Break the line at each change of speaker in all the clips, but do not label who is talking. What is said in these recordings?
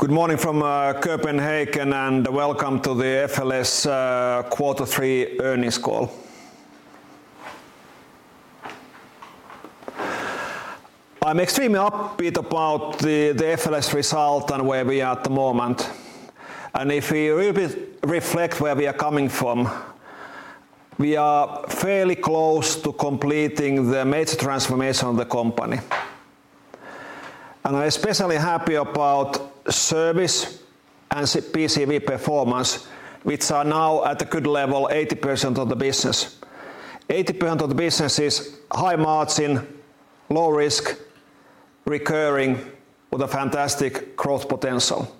Good morning from Copenhagen, and welcome to the FLS Quarter Three earnings call. I'm extremely happy about the FLS result and where we are at the moment. If we reflect where we are coming from, we are fairly close to completing the major transformation of the company. I'm especially happy about service and PCV performance, which are now at a good level, 80% of the business. 80% of the business is high margin, low risk, recurring, with a fantastic growth potential.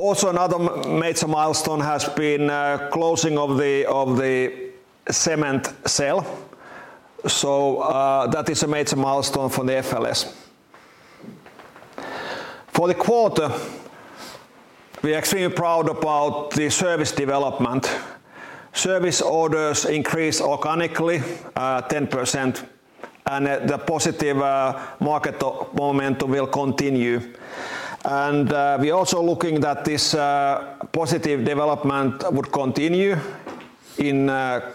Also, another major milestone has been the closing of the cement sale. That is a major milestone for FLS. For the quarter, we are extremely proud about the service development. Service orders increased organically, 10%, and the positive market momentum will continue. We are also looking that this positive development would continue in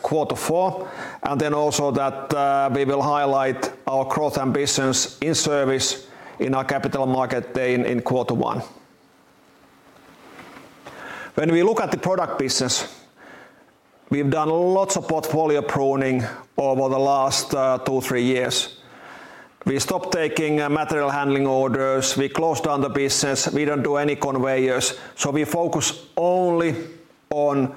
quarter four, and then also that we will highlight our growth ambitions in service in our capital market day in quarter one. When we look at the product business, we've done lots of portfolio pruning over the last two, three years. We stopped taking material handling orders, we closed down the business, we do not do any conveyors, so we focus only on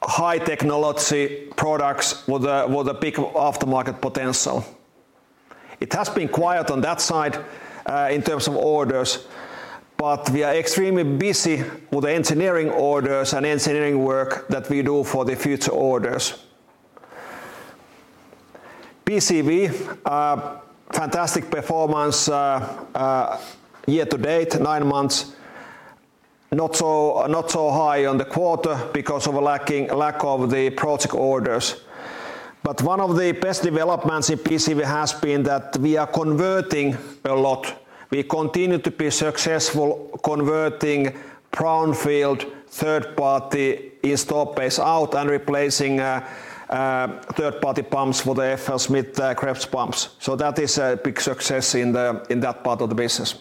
high-technology products with a big aftermarket potential. It has been quiet on that side in terms of orders, but we are extremely busy with the engineering orders and engineering work that we do for the future orders. PCV, fantastic performance year-to-date, nine months, not so high on the quarter because of a lack of the project orders. One of the best developments in PCV has been that we are converting a lot. We continue to be successful converting brownfield third-party installed base out and replacing third-party pumps for the FLSmidth KREBS pumps. That is a big success in that part of the business.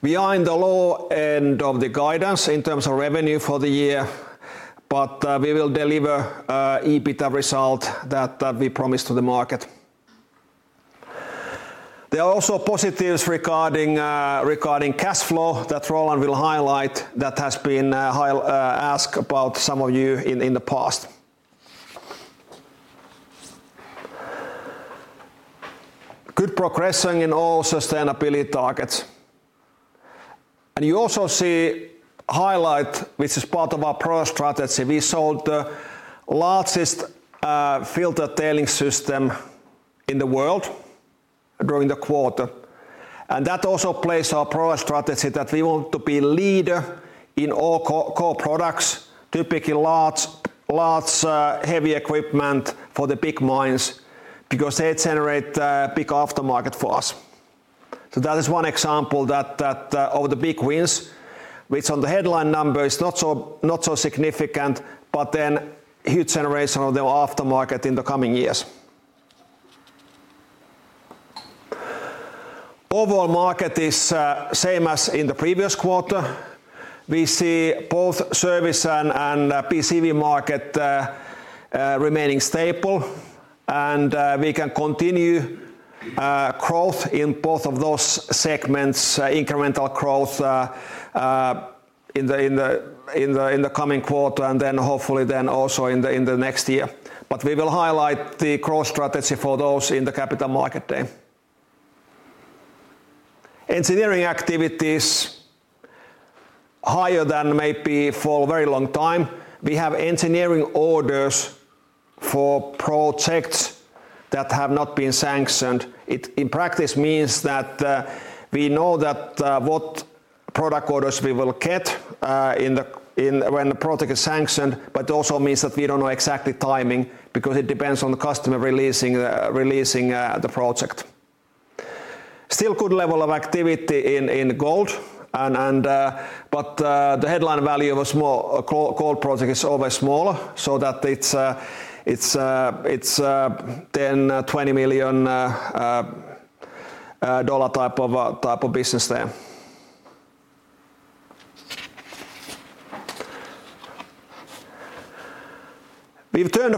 We are in the low end of the guidance in terms of revenue for the year, but we will deliver EBITDA result that we promised to the market. There are also positives regarding cash flow that Roland will highlight that has been asked about by some of you in the past. Good progression in all sustainability targets. You also see highlight, which is part of our pro-strategy. We sold the largest filter tailing system in the world during the quarter. That also plays to our pro-strategy that we want to be leader in all core products, typically large, heavy equipment for the big mines because they generate big aftermarket for us. That is one example of the big wins, which on the headline number is not so significant, but then huge generation of the aftermarket in the coming years. Overall market is same as in the previous quarter. We see both service and PCV market remaining stable, and we can continue growth in both of those segments, incremental growth in the coming quarter and then hopefully then also in the next year. We will highlight the growth strategy for those in the capital market day. Engineering activities higher than maybe for a very long time. We have engineering orders for projects that have not been sanctioned. In practice, it means that we know what product orders we will get when the project is sanctioned, but also means that we do not know exactly timing because it depends on the customer releasing the project. Still good level of activity in gold, but the headline value of a small gold project is always smaller, so that it is then $20 million type of business there. We have turned the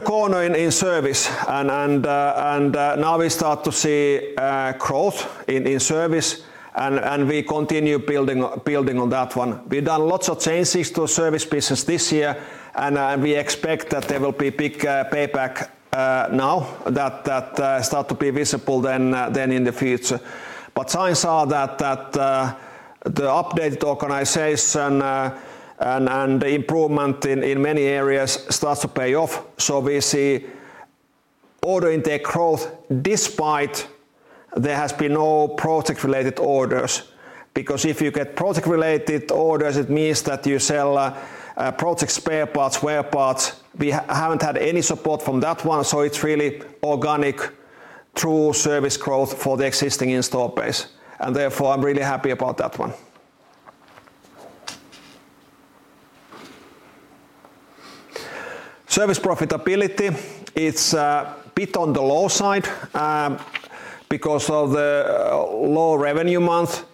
corner in service, and now we start to see growth in service, and we continue building on that one. We have done lots of changes to the service business this year, and we expect that there will be big payback now that starts to be visible then in the future. Signs are that the updated organization and the improvement in many areas starts to pay off. We see order intake growth despite there has been no project-related orders. Because if you get project-related orders, it means that you sell project spare parts, wear parts. We have not had any support from that one, so it is really organic, true service growth for the existing install base. Therefore, I'm really happy about that one. Service profitability is a bit on the low side because of the low revenue month,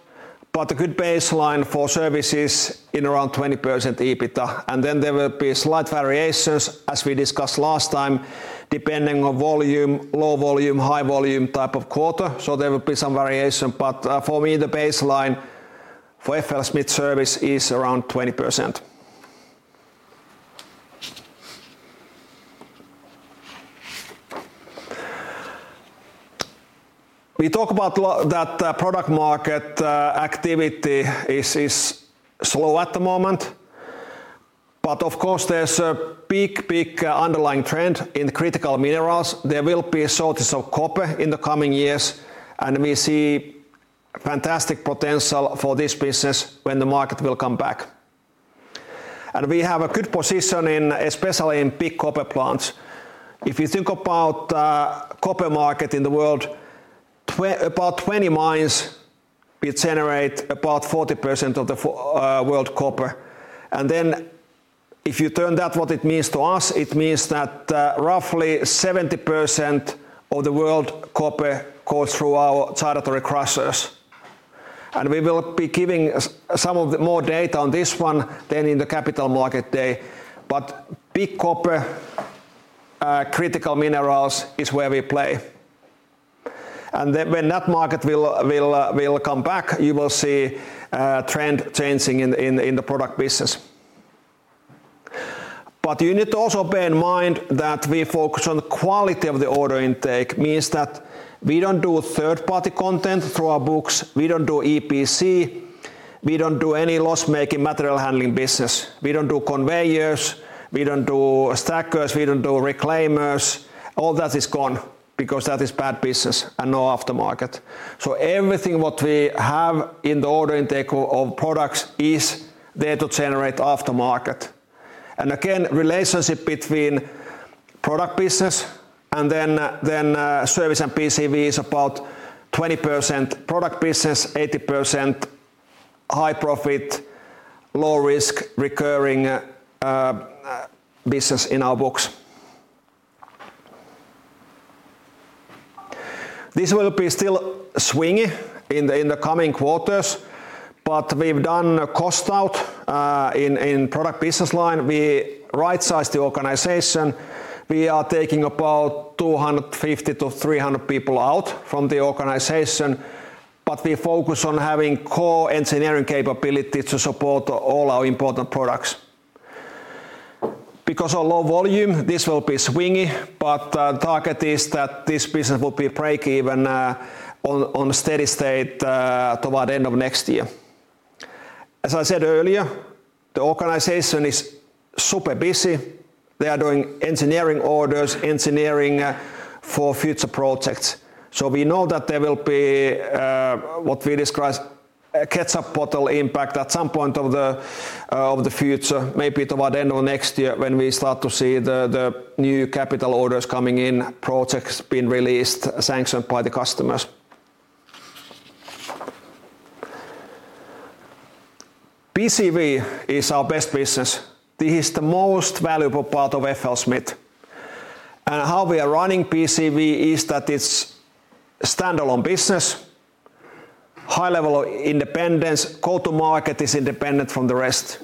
but a good baseline for services is around 20% EBITDA. There will be slight variations, as we discussed last time, depending on volume, low volume, high volume type of quarter. There will be some variation, but for me, the baseline for FLSmidth service is around 20%. We talk about that product market activity is slow at the moment, but of course, there's a big, big underlying trend in critical minerals. There will be shortage of copper in the coming years, and we see fantastic potential for this business when the market will come back. We have a good position, especially in big copper plants. If you think about the copper market in the world, about 20 mines will generate about 40% of the world copper. If you turn that, what it means to us, it means that roughly 70% of the world copper goes through our charity crisis. We will be giving some more data on this one than in the capital market day. Big copper, critical minerals is where we play. When that market will come back, you will see a trend changing in the product business. You need to also bear in mind that we focus on quality of the order intake, means that we do not do third-party content through our books, we do not do EPC, we do not do any loss-making material handling business, we do not do conveyors, we do not do stackers, we do not do reclaimers. All that is gone because that is bad business and no aftermarket. Everything we have in the order intake of products is there to generate aftermarket. Again, relationship between product business and then service and PCV is about 20% product business, 80% high profit, low risk, recurring business in our books. This will be still swingy in the coming quarters, but we've done a cost out in product business line. We right-sized the organization. We are taking about 250-300 people out from the organization, but we focus on having core engineering capabilities to support all our important products. Because of low volume, this will be swingy, but the target is that this business will be break-even on steady state toward the end of next year. As I said earlier, the organization is super busy. They are doing engineering orders, engineering for future projects. We know that there will be what we describe as a ketchup bottle impact at some point in the future, maybe toward the end of next year when we start to see the new capital orders coming in, projects being released, sanctioned by the customers. PCV is our best business. This is the most valuable part of FLSmidth. How we are running PCV is that it is a standalone business, high level of independence, go-to-market is independent from the rest.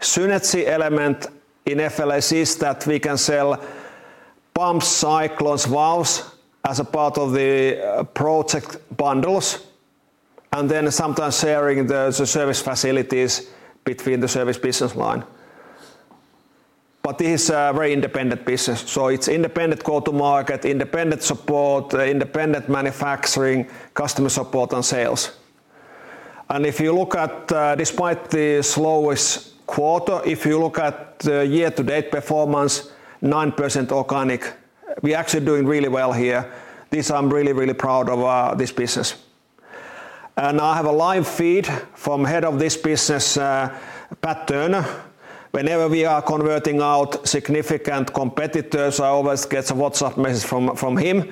The synergy element in FLSmidth is that we can sell pumps, cyclones, valves as a part of the project bundles, and then sometimes sharing the service facilities between the service business line. This is a very independent business. It is independent go-to-market, independent support, independent manufacturing, customer support, and sales. If you look at, despite the slowest quarter, if you look at the year-to-date performance, 9% organic, we actually are doing really well here. I am really, really proud of this business. I have a live feed from Head of this business, Pat Turner. Whenever we are converting out significant competitors, I always get a WhatsApp message from him.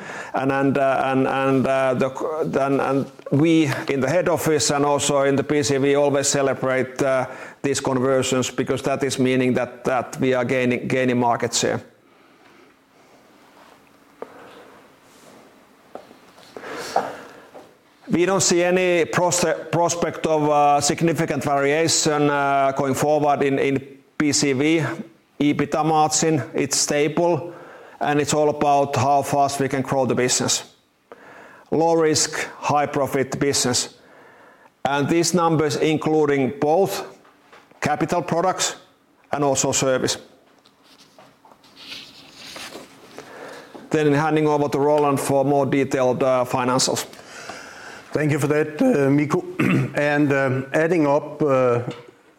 We in the head office and also in the PCV always celebrate these conversions because that is meaning that we are gaining market share. We do not see any prospect of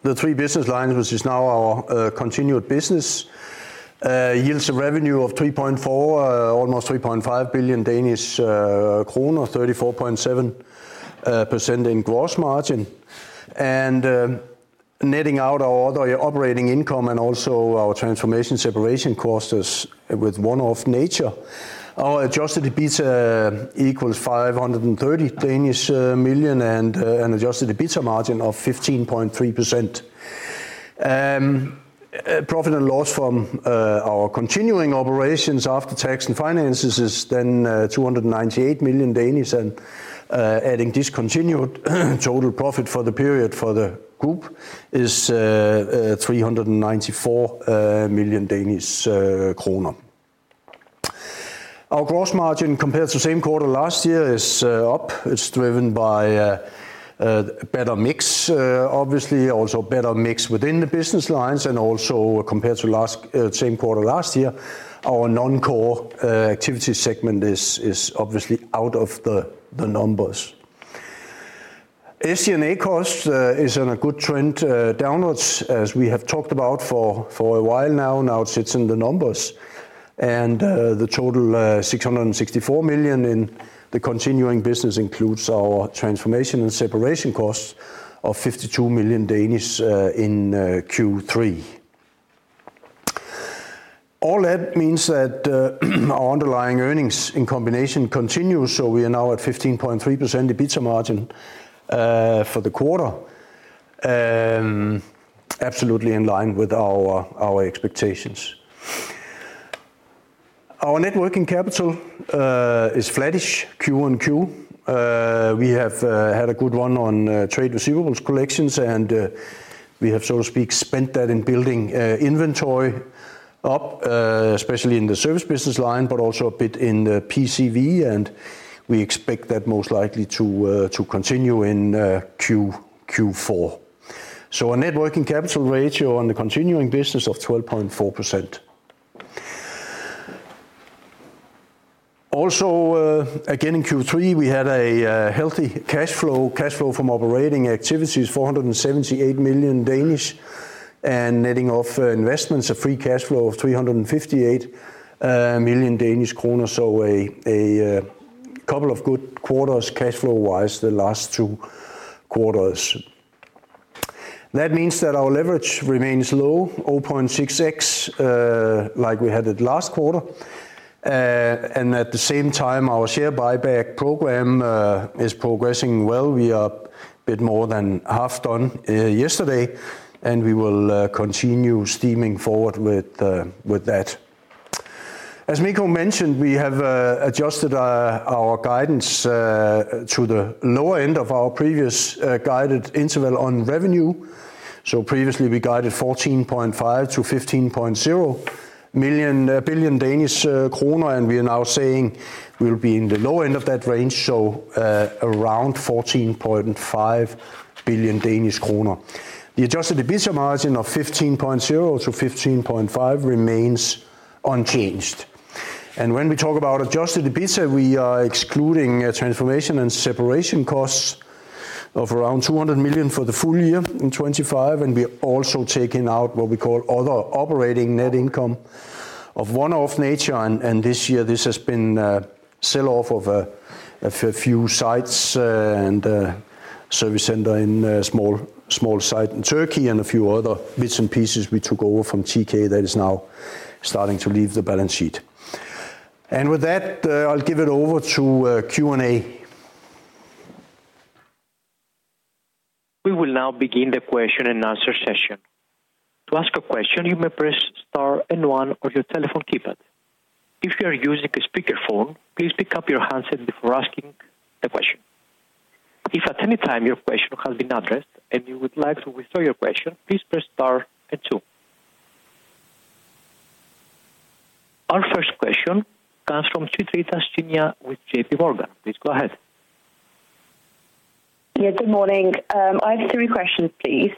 significant variation going forward in PCV. EBITDA margin, it is stable, and it is all about how fast we can grow the business. Low risk, high profit business. These numbers include both capital products and also service. Handing over to Roland for more detailed financials.
Thank you for that, Mikko. Adding up the three business lines, which is now our continued business, yields a revenue of DKK 3.4 billion, almost 3.5 billion, 34.7% in gross margin. Netting out our other operating income and also our transformation separation costs with one-off nature, our Adjusted EBITDA equals 530 million and adjusted EBITDA margin of 15.3%. Profit and loss from our continuing operations after tax and finances is then 298 million, and adding discontinued total profit for the period for the group is 394 million Danish kroner. Our gross margin compared to same quarter last year is up. It is driven by a better mix, obviously, also better mix within the business lines, and also compared to last same quarter last year, our non-core activity segment is obviously out of the numbers. SG&A cost is in a good trend downwards, as we have talked about for a while now. Now it sits in the numbers. The total 664 million in the continuing business includes our transformation and separation cost of 52 million in Q3. All that means that our underlying earnings in combination continues, so we are now at 15.3% EBITDA margin for the quarter, absolutely in line with our expectations. Our networking capital is flattish Q1Q. We have had a good run on trade receivables collections, and we have, so to speak, spent that in building inventory up, especially in the service business line, but also a bit in the PCV, and we expect that most likely to continue in Q4. Our networking capital ratio on the continuing business is 12.4%. Also, again in Q3, we had a healthy cash flow. Cash flow from operating activity is 478 million, and netting off investments, a free cash flow of 358 million Danish kroner, so a couple of good quarters cash flow-wise the last two quarters. That means that our leverage remains low, 0.6x, like we had it last quarter. At the same time, our share buyback program is progressing well. We are a bit more than half done yesterday, and we will continue steaming forward with that. As Mikko mentioned, we have adjusted our guidance to the lower end of our previous guided interval on revenue. Previously, we guided 14.5 billion-15.0 billion Danish kroner, and we are now saying we will be in the lower end of that range, so around 14.5 billion Danish kroner. The Adjusted EBITDA margin of 15.0%-15.5% remains unchanged. When we talk about Adjusted EBITDA, we are excluding transformation and separation costs of around 200 million for the full year in 2025, and we are also taking out what we call other operating net income of one-off nature. This year, this has been sell-off of a few sites and a service center in a small site in Turkey and a few other bits and pieces we took over from TK that is now starting to leave the balance sheet. With that, I'll give it over to Q&A.
We will now begin the question and answer session. To ask a question, you may press star and one on your telephone keypad. If you are using a speakerphone, please pick up your handset before asking the question. If at any time your question has been addressed and you would like to withdraw your question, please press star and two. Our first question comes from Chitrita Sinha with JPMorgan. Please go ahead.
Yeah, good morning. I have three questions, please.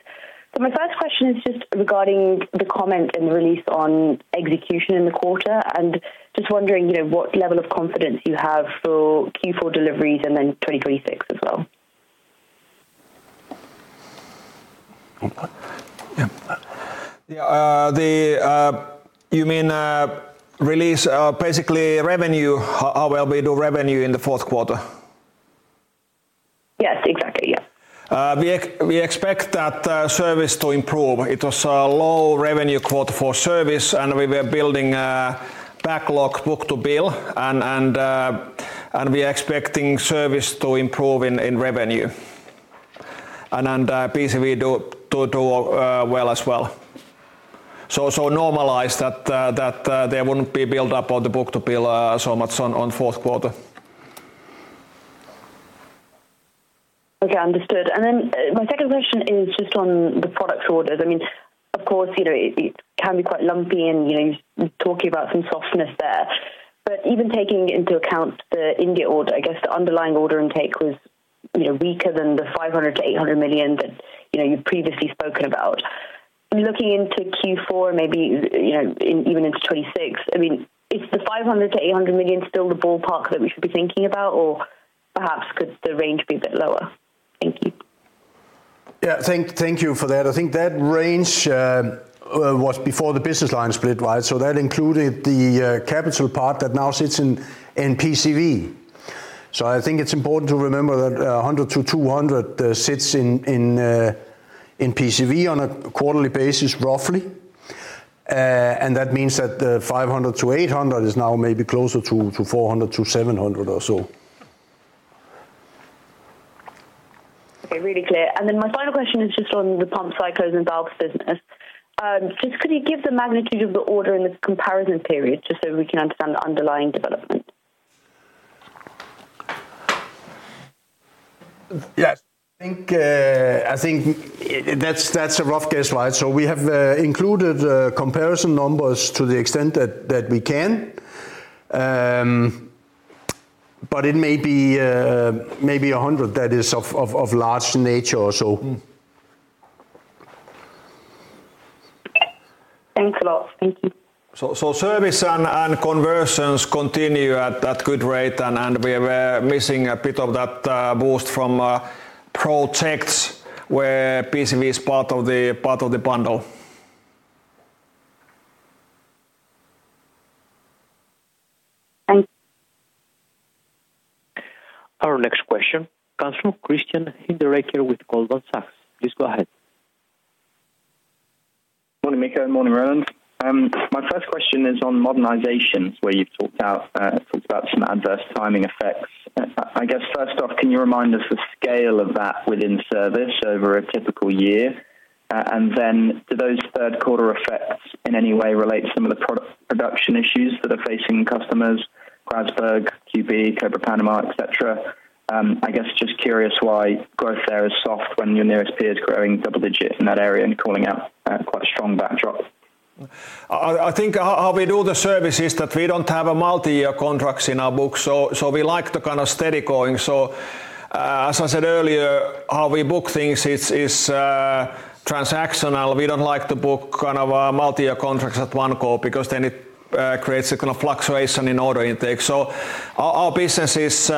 My first question is just regarding the comment and the release on execution in the quarter, and just wondering what level of confidence you have for Q4 deliveries and then 2026 as well.
Yeah, you mean release basically revenue, how well we do revenue in the fourth quarter?
Yes, exactly.
Yeah. We expect that service to improve. It was a low revenue quarter for service, and we were building backlog book to bill, and we are expecting service to improve in revenue. And PCV to do well as well. Normalize that there would not be build-up on the book to bill so much on fourth quarter.
Okay, understood. My second question is just on the product orders. I mean, of course, it can be quite lumpy, and you're talking about some softness there. But even taking into account the India order, I guess the underlying order intake was weaker than the 500 million-800 million that you've previously spoken about. Looking into Q4, maybe even into 2026, I mean, is the 500 million-800 million still the ballpark that we should be thinking about, or perhaps could the range be a bit lower? Thank you.
Yeah, thank you for that. I think that range was before the business line split, right? So that included the capital part that now sits in PCV. So I think it's important to remember that 100 million-200 million sits in PCV on a quarterly basis, roughly. And that means that 500 million-800 million is now maybe closer to 400 million-700 million or so.
Okay, really clear. My final question is just on the pumps, cyclones, and valves business. Could you give the magnitude of the order in the comparison period just so we can understand the underlying development?
Yes, I think that's a rough guess, right? We have included comparison numbers to the extent that we can, but it may be 100 that is of large nature or so.
Thanks a lot. Thank you.
Service and conversions continue at a good rate, and we were missing a bit of that boost from projects where PCV is part of the bundle.
Thank you.
Our next question comes from Christian Hinderaker with Goldman Sachs. Please go ahead.
Morning, Mikko. Morning, Roland. My first question is on modernizations, where you talked about some adverse timing effects. I guess first off, can you remind us the scale of that within service over a typical year? Do those third quarter effects in any way relate to some of the production issues that are facing customers, Grasberg, QB2, Cobre Panama, etc.? I guess just curious why growth there is soft when your nearest peer is growing double digit in that area and calling out quite a strong backdrop.
I think with all the services that we do not have multi-year contracts in our book, we like to kind of steady going. As I said earlier, how we book things is transactional. We do not like to book kind of multi-year contracts at one go because then it creates a kind of fluctuation in order intake. Our business is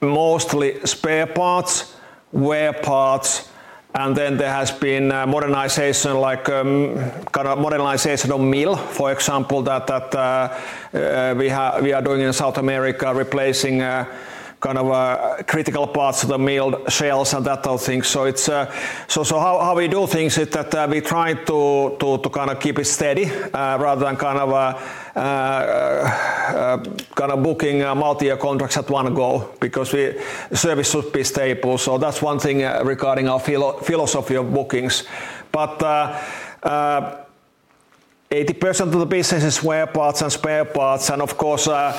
mostly spare parts, wear parts, and then there has been modernization, like kind of modernization of mill, for example, that we are doing in South America, replacing kind of critical parts of the mill shells and that sort of thing. How we do things is that we try to keep it steady rather than booking multi-year contracts at one go because service should be stable. That is one thing regarding our philosophy of bookings. 80% of the business is wear parts and spare parts, and of course, a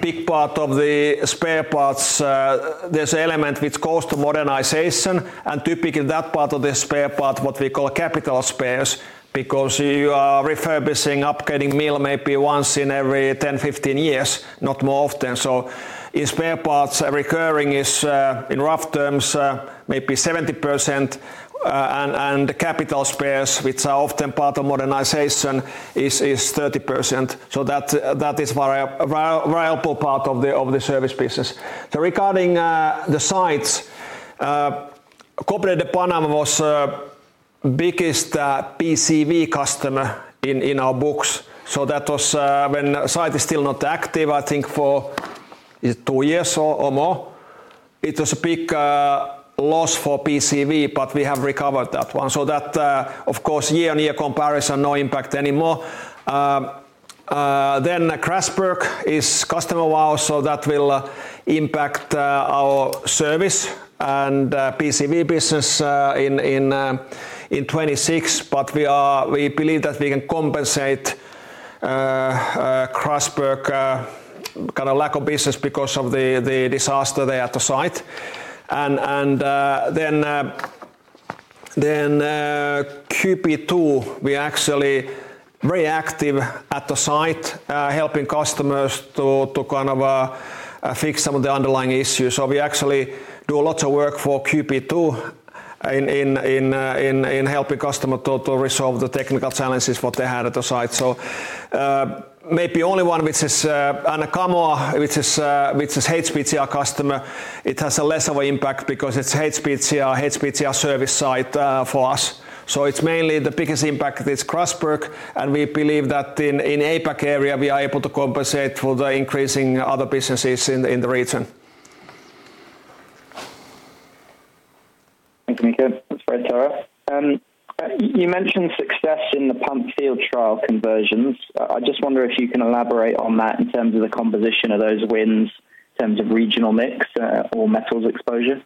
big part of the spare parts, there is an element which goes to modernization, and typically that part of the spare part, what we call capital spares, because you are refurbishing, upgrading mill maybe once in every 10-15 years, not more often. In spare parts, recurring is in rough terms maybe 70%, and capital spares, which are often part of modernization, is 30%. That is a viable part of the service business. Regarding the sites, Cobre Panama was the biggest PCV customer in our books. That was when the site is still not active, I think for two years or more. It was a big loss for PCV, but we have recovered that one. That, of course, year-on-year comparison, no impact anymore. Grasberg is a customer of ours, so that will impact our service and PCV business in 2026, but we believe that we can compensate Grasberg kind of lack of business because of the disaster there at the site. QB2, we are actually very active at the site, helping customers to kind of fix some of the underlying issues. We actually do a lot of work for QB2 in helping customers to resolve the technical challenges that they had at the site. Maybe only one, which is at Kamoa-Kakula, which is an HPGR customer, it has less of an impact because it is an HPGR service site for us. Mainly, the biggest impact is Grasberg, and we believe that in the APAC area, we are able to compensate with the increasing other businesses in the region.
Thank you, Mikko. That is great, Tara. You mentioned success in the pump field trial conversions. I just wonder if you can elaborate on that in terms of the composition of those wins, in terms of regional mix or metals exposure.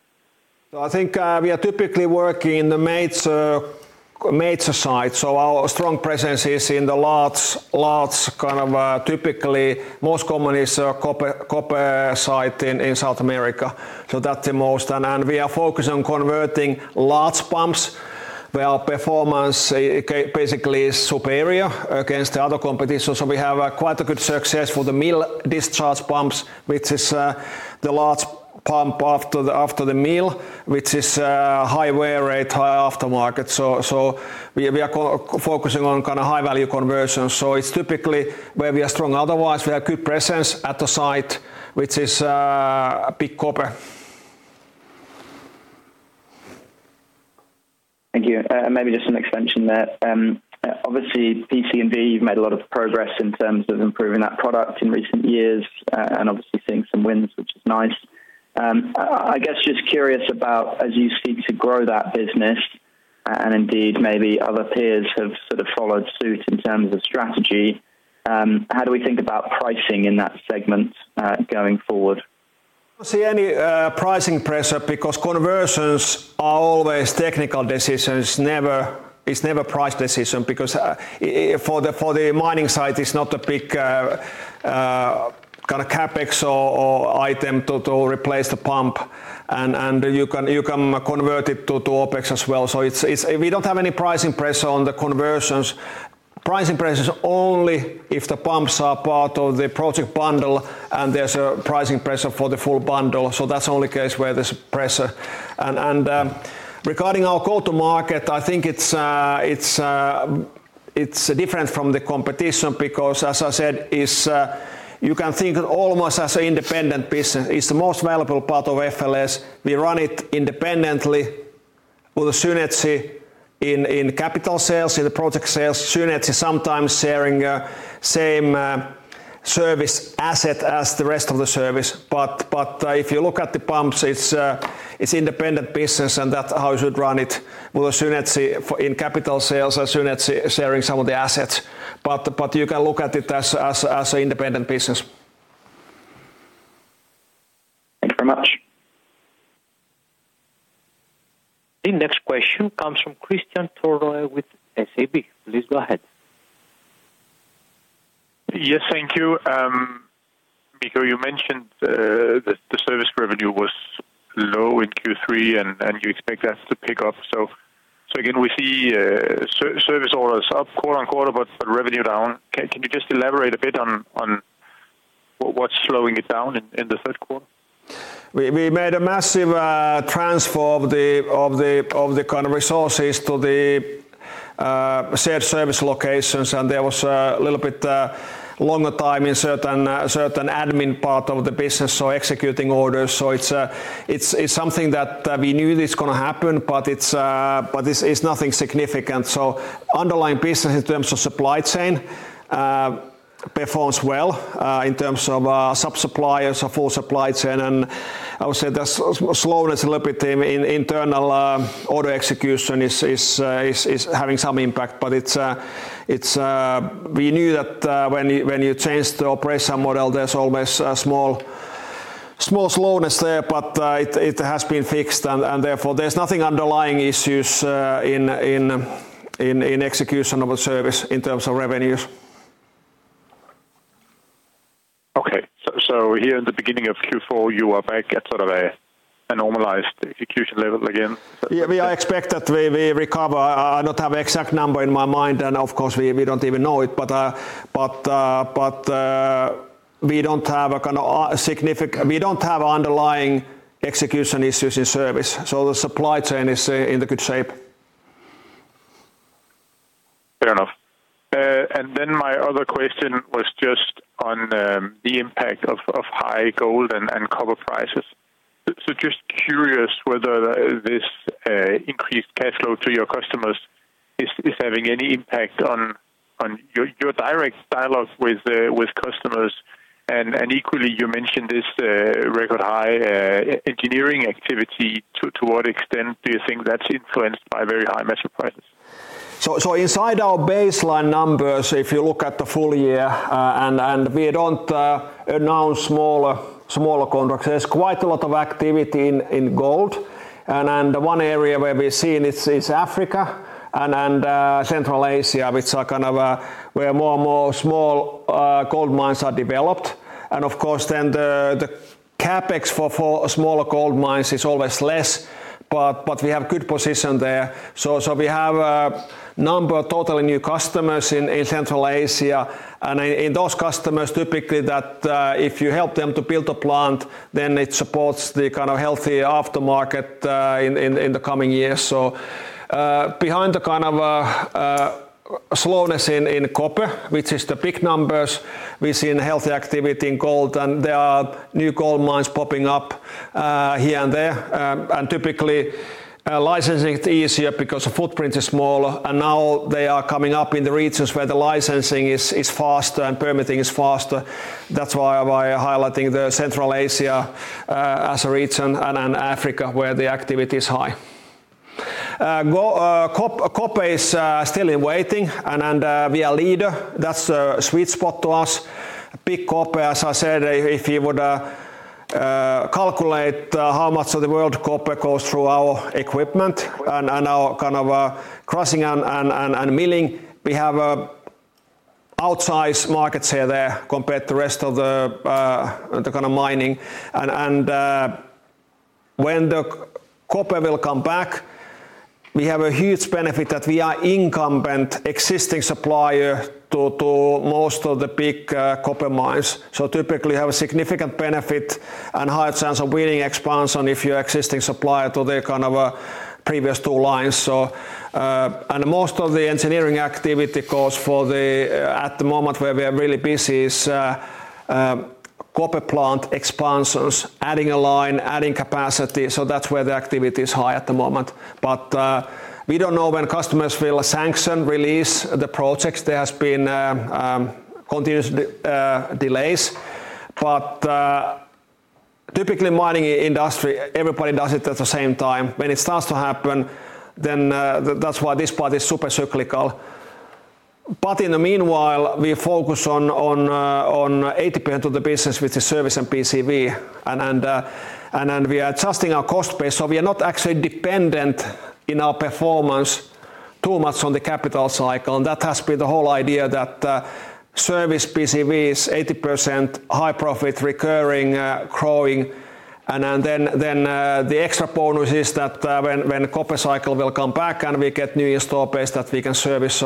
I think we are typically working in the major sites. Our strong presence is in the large, kind of typically most common, copper site in South America. That is the most. We are focusing on converting large pumps where our performance basically is superior against the other competition. We have quite a good success for the mill discharge pumps, which is the large pump after the mill, which is high wear rate, high aftermarket. We are focusing on kind of high-value conversion. It is typically where we are strong. Otherwise, we have good presence at the site, which is big copper.
Thank you. Maybe just an expansion there. Obviously, PCV, you have made a lot of progress in terms of improving that product in recent years and obviously seeing some wins, which is nice. I guess just curious about, as you seek to grow that business, and indeed maybe other peers have sort of followed suit in terms of strategy, how do we think about pricing in that segment going forward?
I do not see any pricing pressure because conversions are always technical decisions. It is never a price decision because for the mining site, it is not a big kind of CapEx or item to replace the pump, and you can convert it to OpEx as well. We do not have any pricing pressure on the conversions. Pricing pressure is only if the pumps are part of the project bundle and there is a pricing pressure for the full bundle. That is the only case where there is pressure. Regarding our go-to-market, I think it is different from the competition because, as I said, you can think of it almost as an independent business. It is the most valuable part of FLS. We run it independently with a synergy in capital sales, in the project sales, synergy sometimes sharing the same service asset as the rest of the service. If you look at the pumps, it's an independent business, and that's how you should run it with a synergy in capital sales, a synergy sharing some of the assets. You can look at it as an independent business.
Thank you very much.
The next question comes from Kristian Tornøe with SEB. Please go ahead.
Yes, thank you. Mikko, you mentioned that the service revenue was low in Q3, and you expect that to pick up. Again, we see service orders up, quote unquote, but revenue down. Can you just elaborate a bit on what's slowing it down in the third quarter?
We made a massive transfer of the kind of resources to the shared service locations, and there was a little bit longer time in certain admin part of the business, so executing orders. It is something that we knew is going to happen, but it is nothing significant. The underlying business in terms of supply chain performs well in terms of sub-suppliers of the full supply chain. I would say the slowness a little bit in internal order execution is having some impact, but we knew that when you change the operation model, there is always a small slowness there, but it has been fixed, and therefore there are no underlying issues in execution of the service in terms of revenues.
Okay. Here in the beginning of Q4, you were back at sort of a normalized execution level again?
Yeah, we are expecting that we recover. I do not have an exact number in my mind, and of course, we do not even know it, but we do not have a kind of significant, we do not have underlying execution issues in service. The supply chain is in good shape.
Fair enough. My other question was just on the impact of high gold and copper prices. I am just curious whether this increased cash flow to your customers is having any impact on your direct dialogue with customers. Equally, you mentioned this record high engineering activity. To what extent do you think that is influenced by very high metals prices?
Inside our baseline numbers, if you look at the full year, and we do not announce smaller contracts, there is quite a lot of activity in gold. One area where we have seen this is Africa and Central Asia, which are kind of where more and more small gold mines are developed. Of course, the CapEx for smaller gold mines is always less, but we have a good position there. We have a number of totally new customers in Central Asia, and in those customers, typically if you help them to build a plant, then it supports the kind of healthy aftermarket in the coming years. Behind the kind of slowness in copper, which is the big numbers, we've seen healthy activity in gold, and there are new gold mines popping up here and there. Typically, licensing is easier because the footprint is smaller, and now they are coming up in the regions where the licensing is faster and permitting is faster. That's why I'm highlighting Central Asia as a region and Africa where the activity is high. Copper is still in waiting, and we are a leader. That's a sweet spot to us. Big copper, as I said, if you would calculate how much of the world copper goes through our equipment and our kind of crushing and milling, we have an outsized market share there compared to the rest of the kind of mining. When the copper will come back, we have a huge benefit that we are incumbent existing supplier to most of the big copper mines. Typically, you have a significant benefit and higher chance of winning expansion if you're an existing supplier to the kind of previous two lines. Most of the engineering activity goes for the at the moment where we are really busy is copper plant expansions, adding a line, adding capacity. That is where the activity is high at the moment. We do not know when customers will sanction, release the projects. There have been continuous delays. Typically, mining industry, everybody does it at the same time. When it starts to happen, that is why this part is super cyclical. In the meanwhile, we focus on 80% of the business, which is service and PCV, and we are adjusting our cost base. We are not actually dependent in our performance too much on the capital cycle. That has been the whole idea, that service PCVs, 80% high profit, recurring, growing. The extra bonus is that when copper cycle will come back and we get new install base that we can service.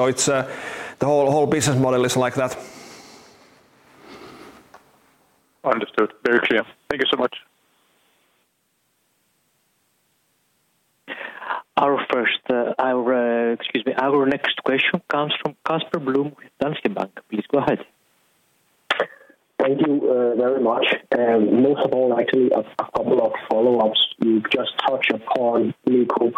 The whole business model is like that.
Understood. Very clear. Thank you so much.
Our next question comes from Casper Blom with Danske Bank. Please go ahead.
Thank you very much. Most of all, actually, a couple of follow-ups. You've just touched upon, Mikko,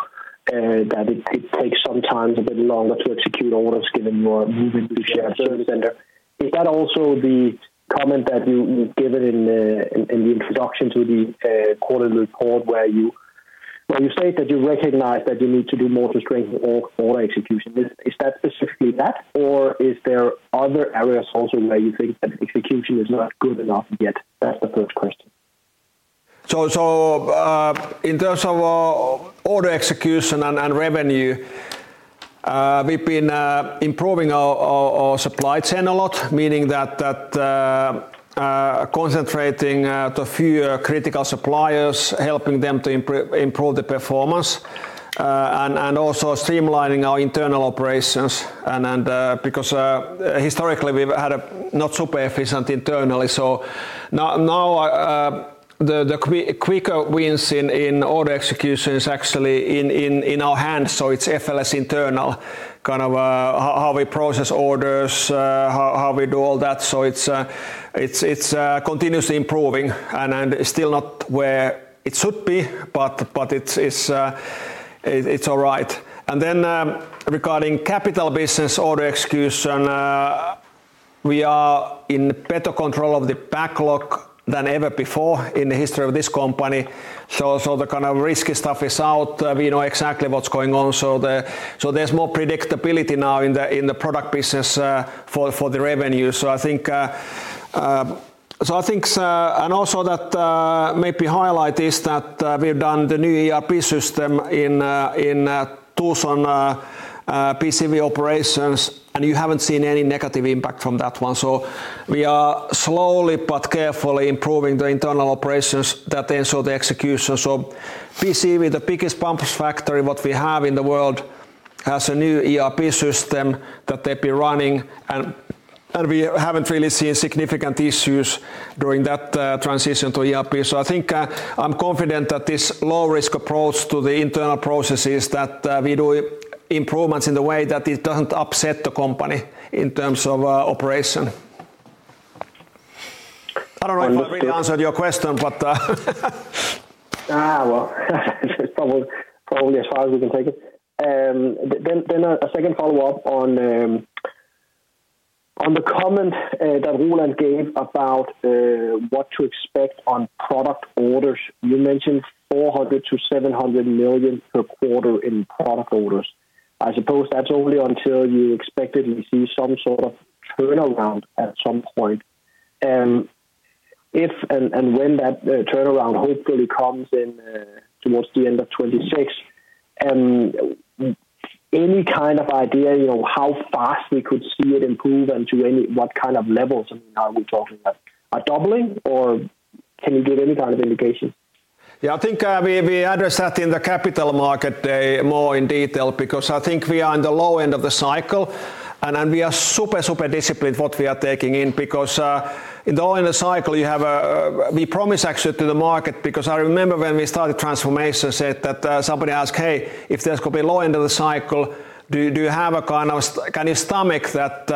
that it takes sometimes a bit longer to execute orders given your moving to shared service center. Is that also the comment that you gave in the introduction to the quarterly report where you state that you recognize that you need to do more to strengthen order execution? Is that specifically that, or are there other areas also where you think that execution is not good enough yet? That's the first question.
In terms of order execution and revenue, we've been improving our supply chain a lot, meaning that concentrating the few critical suppliers, helping them to improve the performance, and also streamlining our internal operations. Historically, we've had not super efficient internally. Now the quicker wins in order execution are actually in our hands. It's FLS internal, kind of how we process orders, how we do all that. It is continuously improving and still not where it should be, but it is all right. Regarding capital business order execution, we are in better control of the backlog than ever before in the history of this company. The kind of risky stuff is out. We know exactly what is going on. There is more predictability now in the product business for the revenue. I think, and also maybe to highlight, that we have done the new ERP system in Tucson PCV operations, and you have not seen any negative impact from that one. We are slowly but carefully improving the internal operations that ensure the execution. PCV, the biggest pump factory we have in the world, has a new ERP system that they have been running, and we have not really seen significant issues during that transition to ERP. I think I'm confident that this low-risk approach to the internal processes that we do improvements in the way that it does not upset the company in terms of operation. I do not know if I really answered your question.
But probably as far as we can take it. A second follow-up on the comment that Roland gave about what to expect on product orders. You mentioned 400 million-700 million per quarter in product orders. I suppose that is only until you expectedly see some sort of turnaround at some point. When that turnaround hopefully comes in towards the end of 2026, any kind of idea how fast we could see it improve and to what kind of levels? I mean, are we talking about doubling, or can you give any kind of indication?
Yeah, I think we address that in the capital market more in detail because I think we are in the low end of the cycle, and we are super, super disciplined what we are taking in because in the low end of the cycle, you have a we promise actually to the market because I remember when we started transformation, said that somebody asked, "Hey, if there's going to be a low end of the cycle, do you have a kind of can you stomach that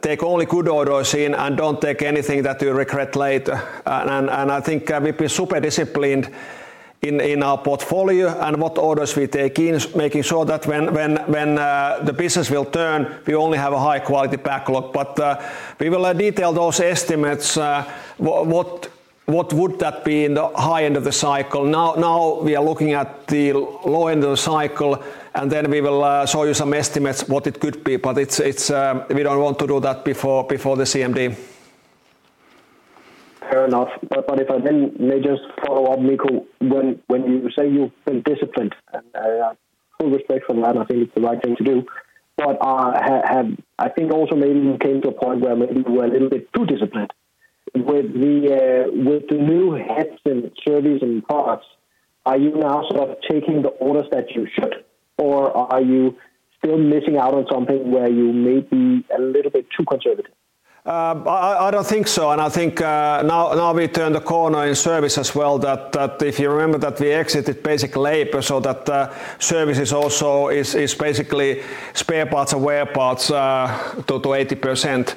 take only good orders in and don't take anything that you regret later?" I think we've been super disciplined in our portfolio and what orders we take in, making sure that when the business will turn, we only have a high-quality backlog. We will detail those estimates. What would that be in the high end of the cycle? Now we are looking at the low end of the cycle, and then we will show you some estimates what it could be, but we do not want to do that before the CMD.
Fair enough. If I may just follow up, Mikko, when you say you have been disciplined, and full respect for that, I think it is the right thing to do. I think also maybe you came to a point where maybe you were a little bit too disciplined. With the new heads and services and products, are you now sort of taking the orders that you should, or are you still missing out on something where you may be a little bit too conservative?
I do not think so. I think now we turned the corner in service as well that if you remember that we exited basic labor, so that service is also basically spare parts and wear parts to 80%.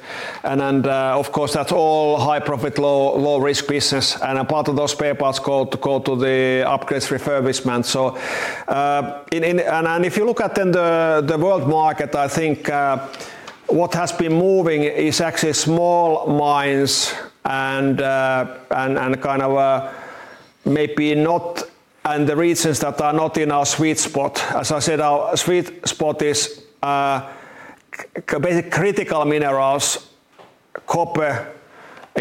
Of course, that's all high-profit, low-risk business. A part of those spare parts go to the upgrades refurbishment. If you look at then the world market, I think what has been moving is actually small mines and kind of maybe not and the regions that are not in our sweet spot. As I said, our sweet spot is basically critical minerals, copper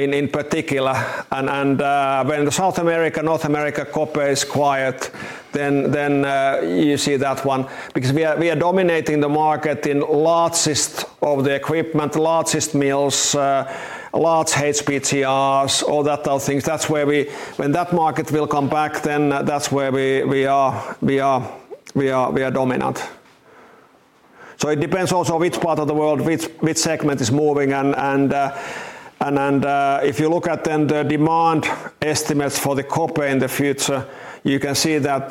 in particular. When the South America, North America copper is quiet, then you see that one because we are dominating the market in largest of the equipment, largest mills, large HPGRs, all that type of things. That's where we, when that market will come back, then that's where we are dominant. It depends also which part of the world, which segment is moving. If you look at the demand estimates for copper in the future, you can see that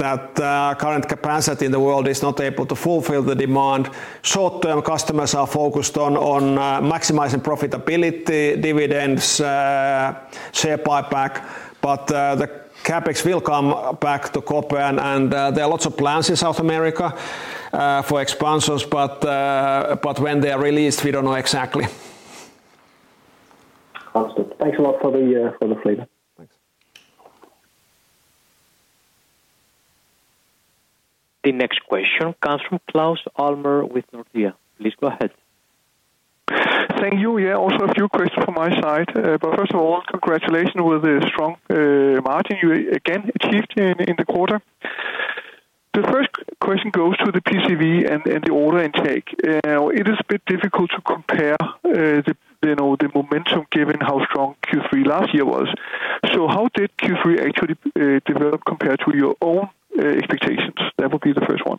current capacity in the world is not able to fulfill the demand. Short-term, customers are focused on maximizing profitability, dividends, share buyback, but the CapEx will come back to copper. There are lots of plans in South America for expansions, but when they are released, we do not know exactly.
Thanks a lot for the flavor. Thanks.
The next question comes from Claus Almer with Nordea. Please go ahead.
Thank you. Yeah, also a few questions from my side. First of all, congratulations with the strong margin you again achieved in the quarter. The first question goes to the PCV and the order intake. It is a bit difficult to compare the momentum given how strong Q3 last year was. How did Q3 actually develop compared to your own expectations? That would be the first one.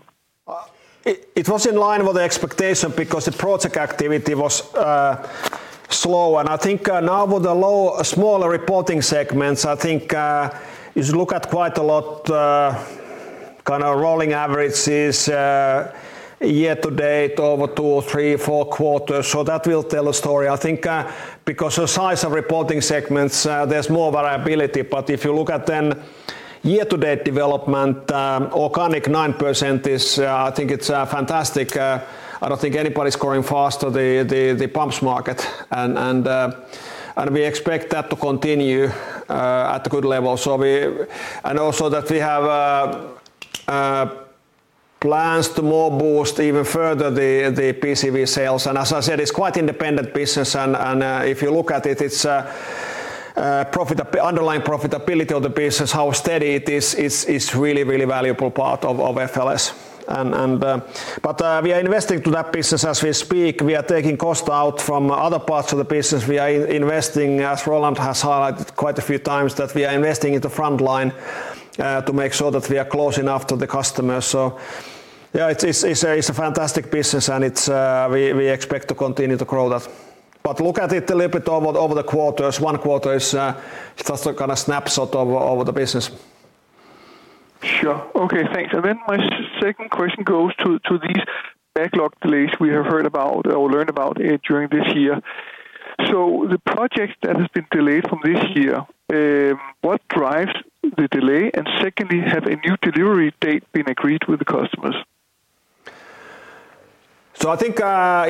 It was in line with the expectation because the project activity was slow. I think now with the low smaller reporting segments, if you look at quite a lot kind of rolling averages year-to-date, over two, three, four quarters, that will tell a story. I think because the size of reporting segments, there is more variability. If you look at year-to-date development, organic 9% is, I think, fantastic. I do not think anybody is growing faster than the pumps market. We expect that to continue at a good level. We have plans to more boost even further the PCV sales. As I said, it is quite independent business. If you look at it, its underlying profitability, how steady it is, is really, really valuable part of FLS. We are investing in that business as we speak. We are taking cost out from other parts of the business. We are investing, as Roland has highlighted quite a few times, into frontline to make sure that we are close enough to the customers. Yeah, it is a fantastic business, and we expect to continue to grow that. Look at it a little bit over the quarters. One quarter is just a kind of snapshot of the business.
Sure. Okay, thanks. My second question goes to these backlog delays we have heard about or learned about during this year. The project that has been delayed from this year, what drives the delay? Secondly, has a new delivery date been agreed with the customers?
I think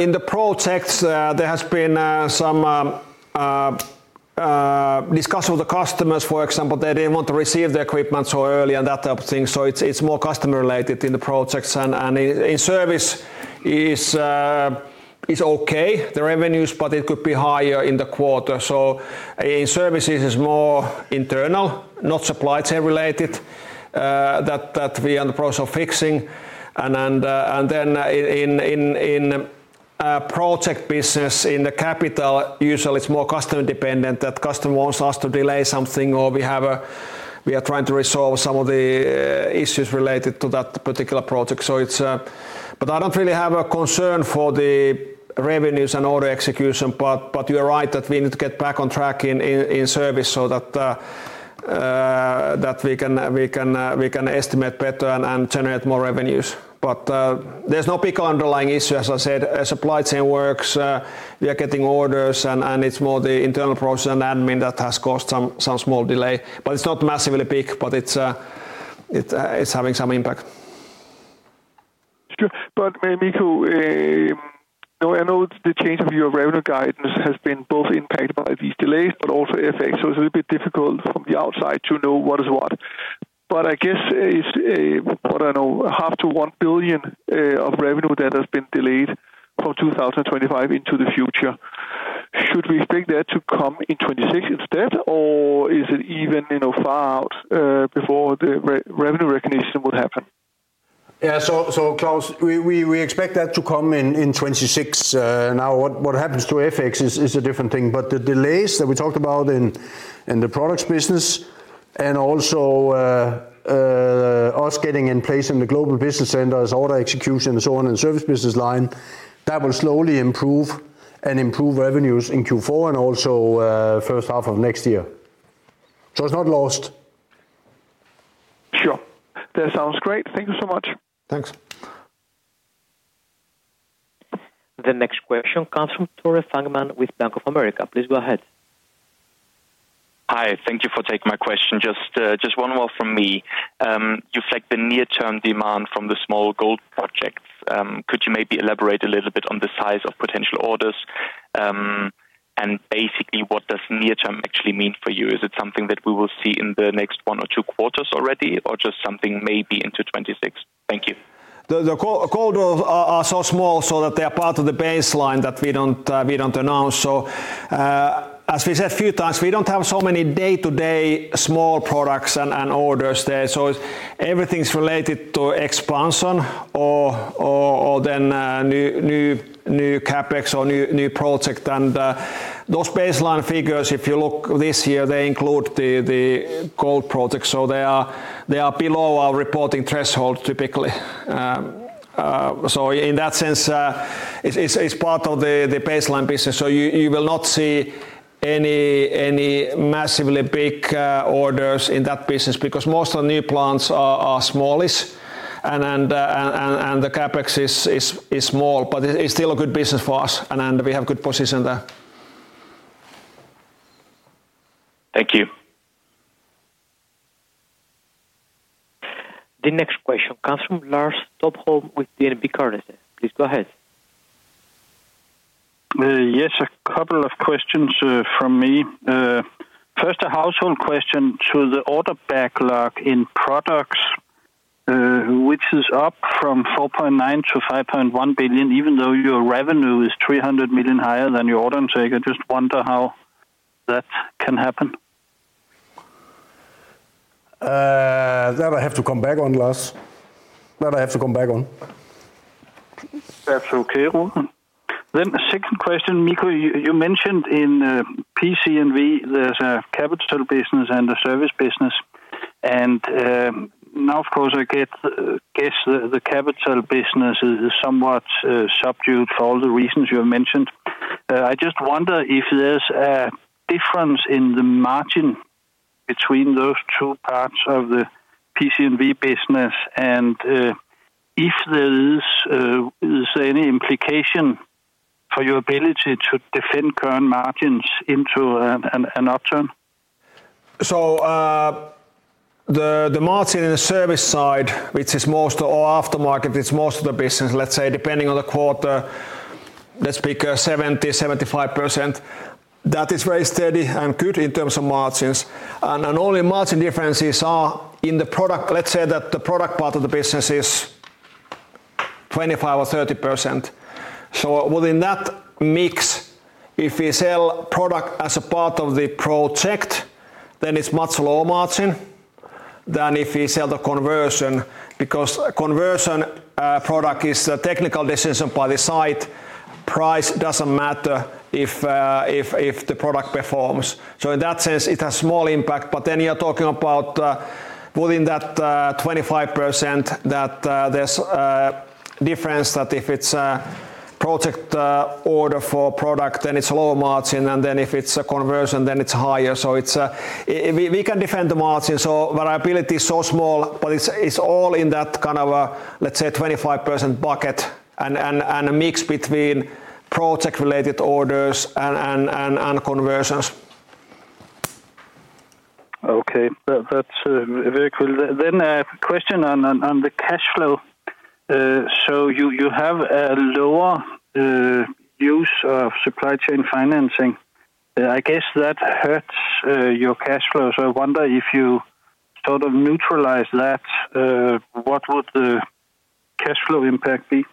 in the projects, there has been some discussion with the customers, for example, that they want to receive the equipment so early and that type of thing. It is more customer-related in the projects. In service, it is okay, the revenues, but it could be higher in the quarter. In services, it is more internal, not supply chain related, that we are in the process of fixing. In project business, in the capital, usually it is more customer-dependent, that customer wants us to delay something or we are trying to resolve some of the issues related to that particular project. I do not really have a concern for the revenues and order execution. You are right that we need to get back on track in service so that we can estimate better and generate more revenues. There is no big underlying issue, as I said. Supply chain works. We are getting orders, and it is more the internal process and admin that has caused some small delay. It is not massively big, but it is having some impact.
Mikko, I know the change of your revenue guidance has been both impacted by these delays, but also FAs. It is a little bit difficult from the outside to know what is what. I guess it is what I know, 500 million-1 billion of revenue that has been delayed from 2025 into the future. Should we expect that to come in 2026 instead, or is it even far out before the revenue recognition would happen?
Yeah, so Claus, we expect that to come in 2026. Now, what happens to FX is a different thing. The delays that we talked about in the products business and also us getting in place in the global business centers, order execution, and so on, and service business line, that will slowly improve and improve revenues in Q4 and also first half of next year. It is not lost.
Sure. That sounds great. Thank you so much.
Thanks.
The next question comes from Tore Fangmann with Bank of America. Please go ahead.
Hi. Thank you for taking my question. Just one more from me. You have flagged the near-term demand from the small gold projects. Could you maybe elaborate a little bit on the size of potential orders? Basically, what does near-term actually mean for you? Is it something that we will see in the next one or two quarters already, or just something maybe into 2026? Thank you. The quarters are so small that they are part of the baseline that we do not announce. As we said a few times, we do not have so many day-to-day small products and orders there. Everything is related to expansion or new CapEx or new project. Those baseline figures, if you look this year, include the gold projects. They are below our reporting threshold typically. In that sense, it is part of the baseline business. You will not see any massively big orders in that business because most of the new plants are smallish, and the CapEx is small, but it is still a good business for us, and we have a good position there.
Thank you.
The next question comes from Lars Topholm with DNB Carnegie. Please go ahead.
Yes, a couple of questions from me. First, a household question to the order backlog in products, which is up from 4.9 billion to 5.1 billion, even though your revenue is 300 million higher than your order. I just wonder how that can happen.
That I have to come back on, Lars. That I have to come back on.
That is okay, Roland. Second question, Mikko, you mentioned in PCV, there is a capital business and a service business. Of course, I guess the capital business is somewhat subdued for all the reasons you have mentioned. I just wonder if there's a difference in the margin between those two parts of the PCV business and if there is any implication for your ability to defend current margins into an upturn?
The margin in the service side, which is most of the aftermarket, it's most of the business, let's say, depending on the quarter, let's pick 70%-75%. That is very steady and good in terms of margins. The only margin differences are in the product. Let's say that the product part of the business is 25% or 30%. Within that mix, if we sell product as a part of the project, then it's much lower margin than if we sell the conversion because conversion product is a technical decision by the site. Price doesn't matter if the product performs. In that sense, it has small impact. You're talking about within that 25%, that there's a difference that if it's a project order for product, then it's lower margin, and if it's a conversion, then it's higher. We can defend the margin. Variability is so small, but it's all in that kind of, let's say, 25% bucket and mix between project-related orders and conversions. Okay. That's very cool. A question on the cash flow. You have a lower use of supply chain financing. I guess that hurts your cash flow. I wonder if you sort of neutralize that, what would the cash flow impact be?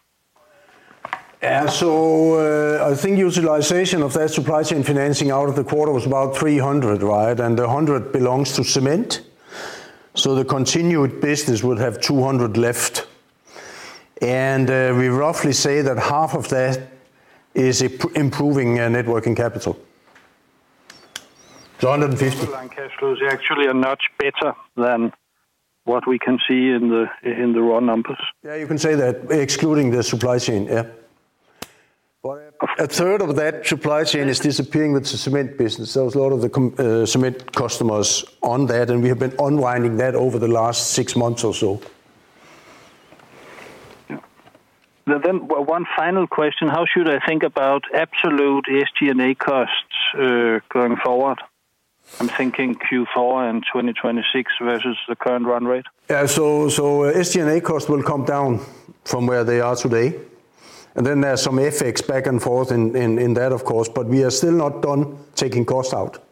Yeah. I think utilization of that supply chain financing out of the quarter was about 300 million, right? The 100 million belongs to cement. The continued business would have 200 left. We roughly say that half of that is improving net working capital, so 100.
Cash flow is actually a notch better than what we can see in the raw numbers.
You can say that excluding the supply chain. A third of that supply chain is disappearing with the cement business. There was a lot of the cement customers on that, and we have been unwinding that over the last six months or so. One final question. How should I think about absolute SG&A costs going forward? I'm thinking Q4 and 2026 versus the current run rate. SG&A costs will come down from where they are today. There is some FX back and forth in that, of course, but we are still not done taking costs out.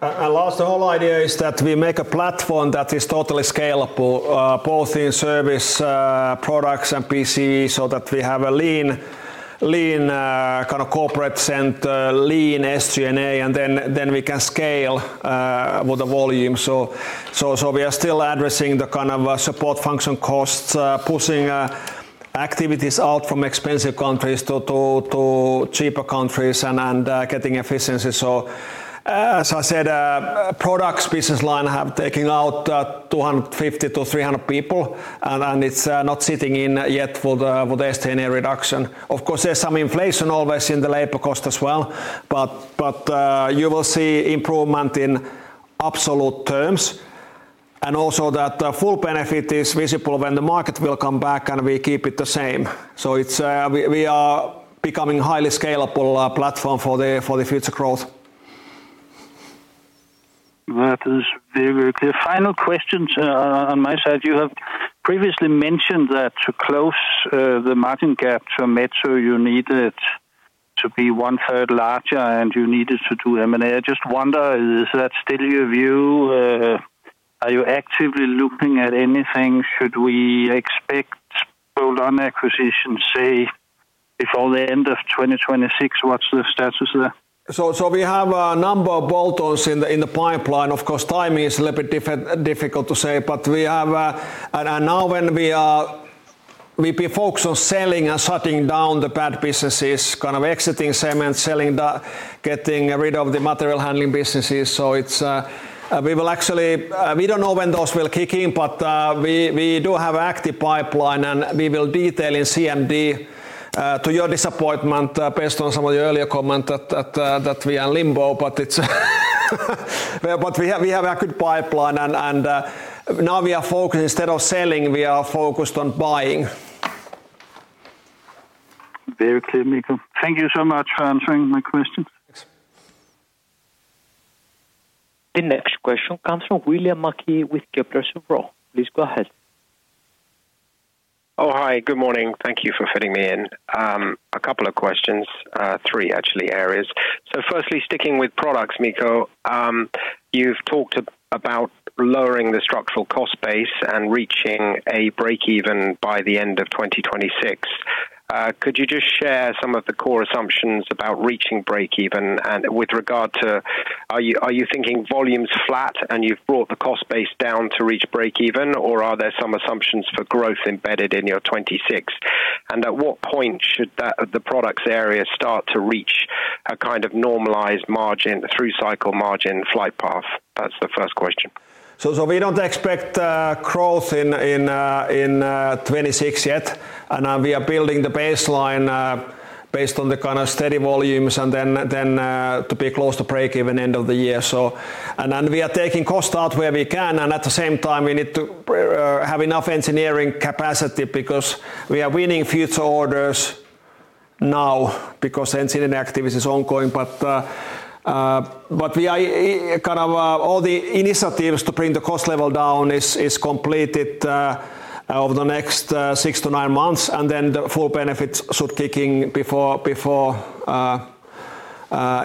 The whole idea is that we make a platform that is totally scalable, both in service products and PCE, so that we have a lean kind of corporate center, lean SG&A, and then we can scale with the volume. We are still addressing the kind of support function costs, pushing activities out from expensive countries to cheaper countries and getting efficiency. As I said, products business line have taken out 250-300 people, and it is not sitting in yet with the SG&A reduction. Of course, there is some inflation always in the labor cost as well, but you will see improvement in absolute terms. Also, that full benefit is visible when the market will come back and we keep it the same. We are becoming a highly scalable platform for the future growth.
That is very, very clear. Final questions on my side. You have previously mentioned that to close the margin gap to a Metso, you need it to be one third larger and you need it to do M&A. I just wonder, is that still your view? Are you actively looking at anything? Should we expect bolt-on acquisitions, say, before the end of 2026? What's the status there?
We have a number of bolt-ons in the pipeline. Of course, timing is a little bit difficult to say, but we have now when we focus on selling and shutting down the bad businesses, kind of exiting cement, getting rid of the material handling businesses. We do not know when those will kick in, but we do have an active pipeline and we will detail in CMD, to your disappointment, based on some of the earlier comments that we are in limbo. But we have a good pipeline and now we are focusing—instead of selling, we are focused on buying.
Very clear, Mikko. Thank you so much for answering my questions.
Thanks.
The next question comes from William Mackie with Kepler Cheuvreux. Please go ahead.
Oh, hi. Good morning. Thank you for fitting me in. A couple of questions, three actually areas. So firstly, sticking with products, Mikko, you've talked about lowering the structural cost base and reaching a break-even by the end of 2026. Could you just share some of the core assumptions about reaching break-even with regard to—are you thinking volumes flat and you've brought the cost base down to reach break-even, or are there some assumptions for growth embedded in your 2026? And at what point should the products area start to reach a kind of normalized margin through cycle margin flight path? That's the first question.
We do not expect growth in 2026 yet. We are building the baseline based on the kind of steady volumes and then to be close to break-even end of the year. We are taking costs out where we can. At the same time, we need to have enough engineering capacity because we are winning future orders now because engineering activities are ongoing. All the initiatives to bring the cost level down are completed over the next six to nine months, and then the full benefits should kick in before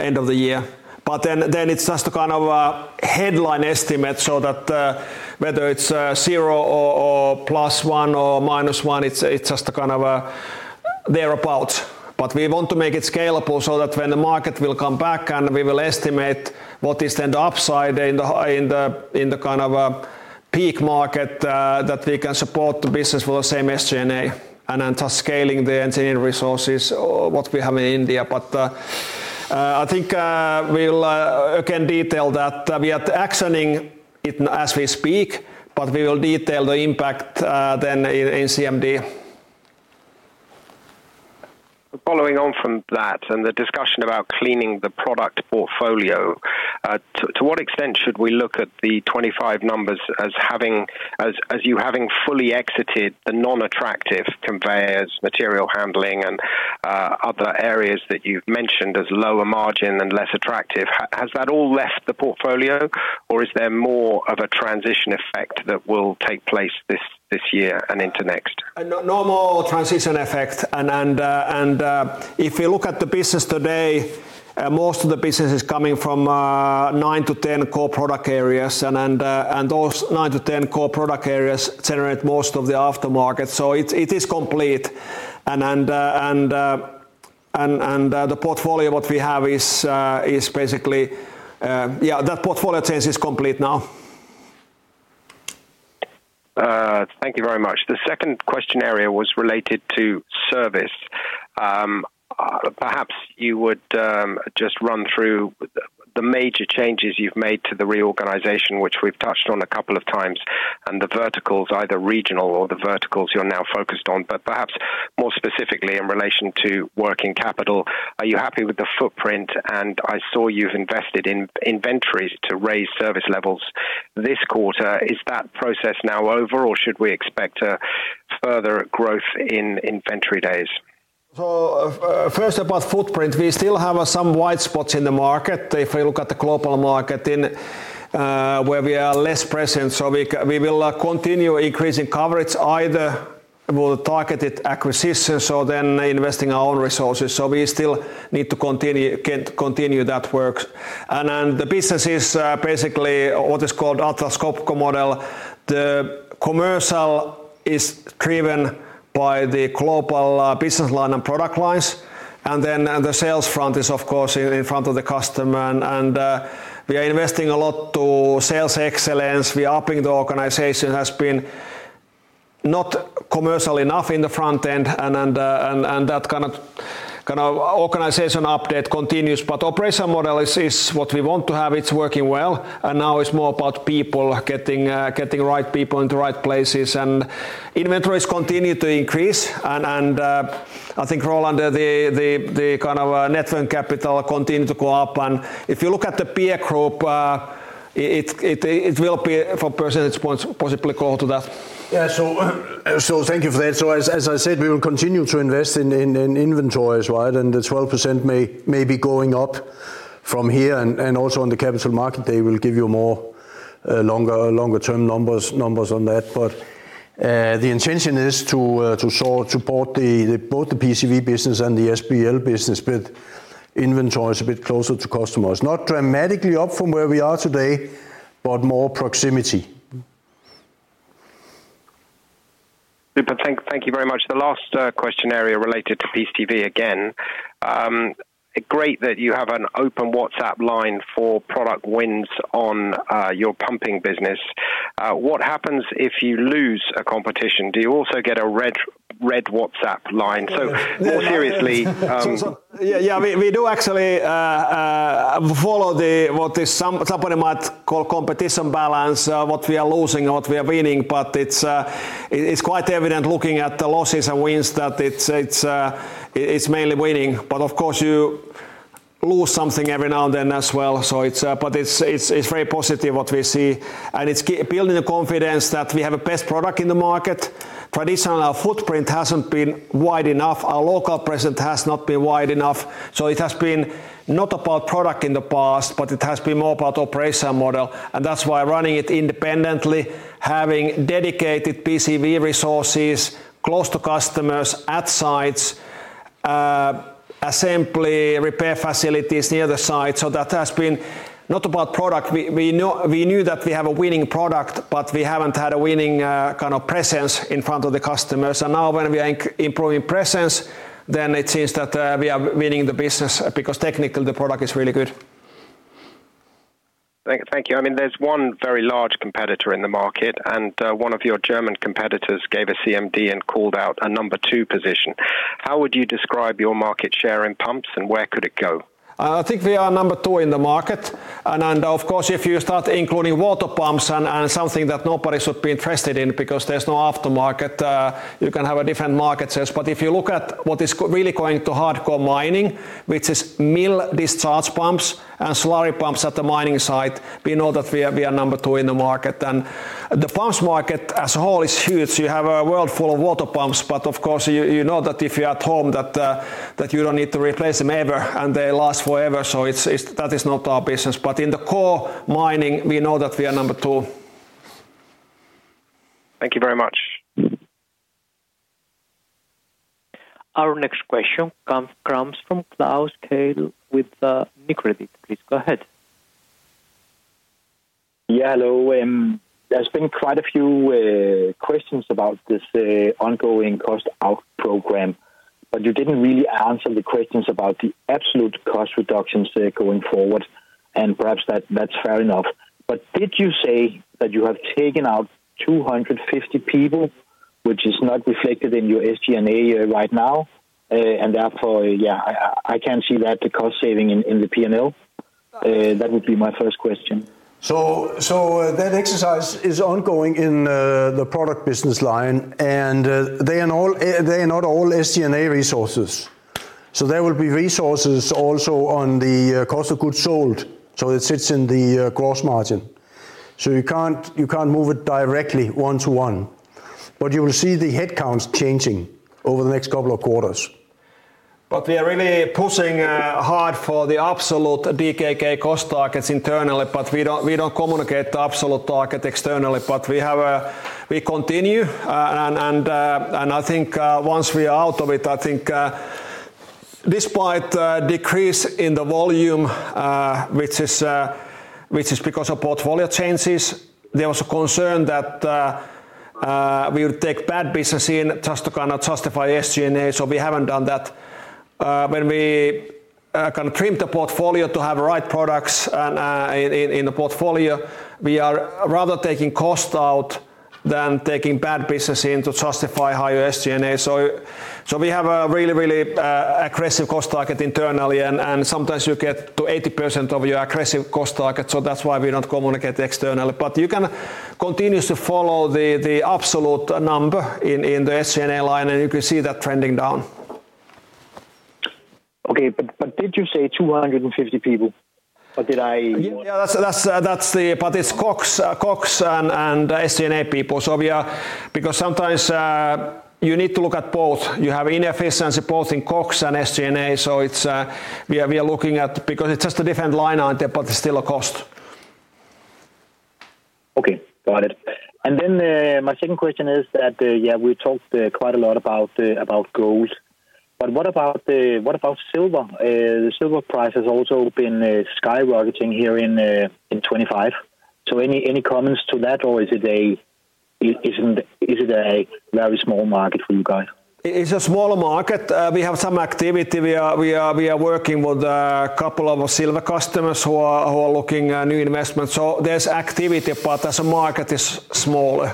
end of the year. It is just a kind of headline estimate so that whether it is zero or +1 or -1, it is just a kind of thereabouts. We want to make it scalable so that when the market will come back and we will estimate what is then the upside in the kind of peak market that we can support the business with the same SG&A and just scaling the engineering resources we have in India. I think we will again detail that we are actioning it as we speak, but we will detail the impact then in CMD.
Following on from that and the discussion about cleaning the product portfolio, to what extent should we look at the 2025 numbers as you having fully exited the non-attractive conveyors, material handling, and other areas that you have mentioned as lower margin and less attractive? Has that all left the portfolio, or is there more of a transition effect that will take place this year and into next?
Normal transition effect. If you look at the business today, most of the business is coming from nine to ten core product areas, and those nine to ten core product areas generate most of the aftermarket. It is complete. The portfolio we have is basically—yeah, that portfolio change is complete now.
Thank you very much. The second question area was related to service. Perhaps you would just run through the major changes you have made to the reorganization, which we have touched on a couple of times, and the verticals, either regional or the verticals you are now focused on, but perhaps more specifically in relation to working capital. Are you happy with the footprint? I saw you have invested in inventories to raise service levels this quarter. Is that process now over, or should we expect further growth in inventory days?
First, about footprint, we still have some white spots in the market. If we look at the global market where we are less present, we will continue increasing coverage either with targeted acquisition or investing our own resources. We still need to continue that work. The business is basically what is called the Atlas Copco model. The commercial is driven by the global business line and product lines. The sales front is, of course, in front of the customer. We are investing a lot to sales excellence. We are upping the organization, has been not commercial enough in the front end, and that kind of organization update continues. The operation model is what we want to have. It is working well. Now it is more about people, getting the right people in the right places. Inventories continue to increase. I think, Roland, the kind of net working capital continues to go up. If you look at the peer group, it will be four percentage points possibly, call it that.
Yeah. Thank you for that. As I said, we will continue to invest in inventories, right? The 12% may be going up from here. Also, on the capital market, they will give you more longer-term numbers on that. The intention is to support both the PCV business and the SBL business with inventories a bit closer to customers. Not dramatically up from where we are today, but more proximity.
Thank you very much. The last question area related to PCV again. Great that you have an open WhatsApp line for product wins on your pumping business. What happens if you lose a competition? Do you also get a red WhatsApp line? More seriously.
Yeah, we do actually follow what somebody might call competition balance, what we are losing, what we are winning. It is quite evident looking at the losses and wins that it is mainly winning. Of course, you lose something every now and then as well. It is very positive what we see. It is building the confidence that we have a best product in the market. Traditional footprint has not been wide enough. Our local presence has not been wide enough. It has been not about product in the past, but it has been more about operation model. That is why running it independently, having dedicated PCV resources close to customers at sites, assembly, repair facilities near the site. That has been not about product. We knew that we have a winning product, but we have not had a winning kind of presence in front of the customers. Now when we are improving presence, it seems that we are winning the business because technically the product is really good.
Thank you. I mean, there is one very large competitor in the market, and one of your German competitors gave a CMD and called out a number two position. How would you describe your market share in pumps, and where could it go?
I think we are number two in the market. Of course, if you start including water pumps and something that nobody should be interested in because there is no aftermarket, you can have a different market sense. If you look at what is really going to hardcore mining, which is mill discharge pumps and slurry pumps at the mining site, we know that we are number two in the market. The pumps market as a whole is huge. You have a world full of water pumps, but of course, you know that if you're at home, that you don't need to replace them ever, and they last forever. That is not our business. In the core mining, we know that we are number two.
Thank you very much.
Our next question comes from Klaus Kehl with Nykredit. Please go ahead.
Yeah, hello. There's been quite a few questions about this ongoing cost-out program, but you didn't really answer the questions about the absolute cost reductions going forward. Perhaps that's fair enough. Did you say that you have taken out 250 people, which is not reflected in your SG&A right now? Therefore, yeah, I can see that the cost saving in the P&L. That would be my first question.
That exercise is ongoing in the product business line, and they are not all SG&A resources. There will be resources also on the cost of goods sold. It sits in the gross margin. You can't move it directly one to one. You will see the headcount changing over the next couple of quarters. We are really pushing hard for the absolute DKK cost targets internally, but we don't communicate the absolute target externally. We continue, and I think once we are out of it, I think despite the decrease in the volume, which is because of portfolio changes, there was a concern that we would take bad business in just to kind of justify SG&A. We haven't done that. When we kind of trimmed the portfolio to have right products in the portfolio, we are rather taking cost out than taking bad business in to justify higher SG&A. We have a really, really aggressive cost target internally, and sometimes you get to 80% of your aggressive cost target. That is why we do not communicate externally. You can continue to follow the absolute number in the SG&A line, and you can see that trending down.
Okay, but did you say 250 people? Or did I?
Yeah, that is the, but it is COGS and SG&A people. Sometimes you need to look at both. You have inefficiency both in COGS and SG&A. We are looking at it, because it is just a different line item, but it is still a cost.
Okay, got it. Then my second question is that, yeah, we talked quite a lot about gold, but what about silver? The silver price has also been skyrocketing here in 2025. Any comments to that, or is it a very small market for you guys?
It's a smaller market. We have some activity. We are working with a couple of silver customers who are looking at new investments. There is activity, but as a market it is smaller.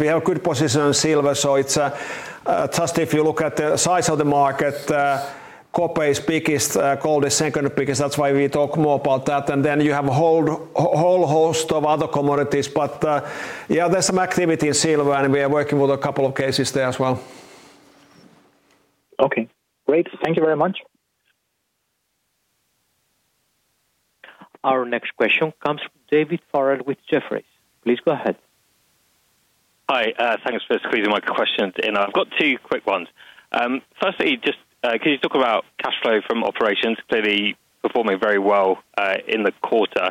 We have a good position on silver. If you look at the size of the market, copper is biggest, gold is second biggest. That is why we talk more about that. Then you have a whole host of other commodities. There is some activity in silver, and we are working with a couple of cases there as well.
Okay, great. Thank you very much.
Our next question comes from David Farrell with Jefferies. Please go ahead.
Hi, thanks for squeezing my question. I've got two quick ones. Firstly, just could you talk about cash flow from operations? Clearly performing very well in the quarter.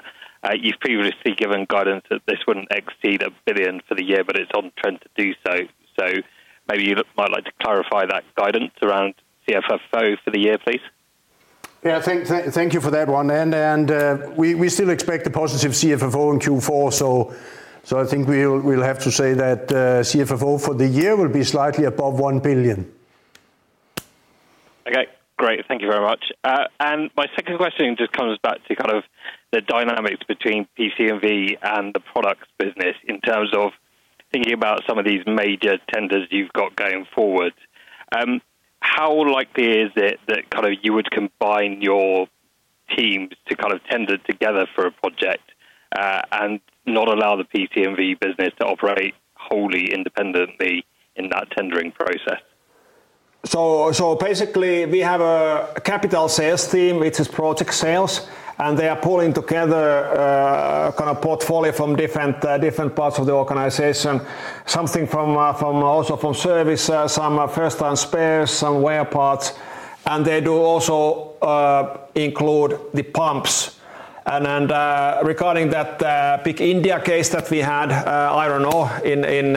You've previously given guidance that this would not exceed 1 billion for the year, but it's on trend to do so. Maybe you might like to clarify that guidance around CFFO for the year, please.
Yeah, thank you for that one. We still expect a positive CFFO in Q4. I think we'll have to say that CFFO for the year will be slightly above 1 billion.
Okay, great. Thank you very much. My second question just comes back to kind of the dynamics between PCV and the products business in terms of thinking about some of these major tenders you've got going forward. How likely is it that kind of you would combine your teams to kind of tender together for a project and not allow the PCV business to operate wholly independently in that tendering process?
Basically, we have a capital sales team, which is project sales, and they are pulling together kind of portfolio from different parts of the organization, something from also from service, some first-time spares, some wear parts. They do also include the pumps. Regarding that big India case that we had, I do not know, in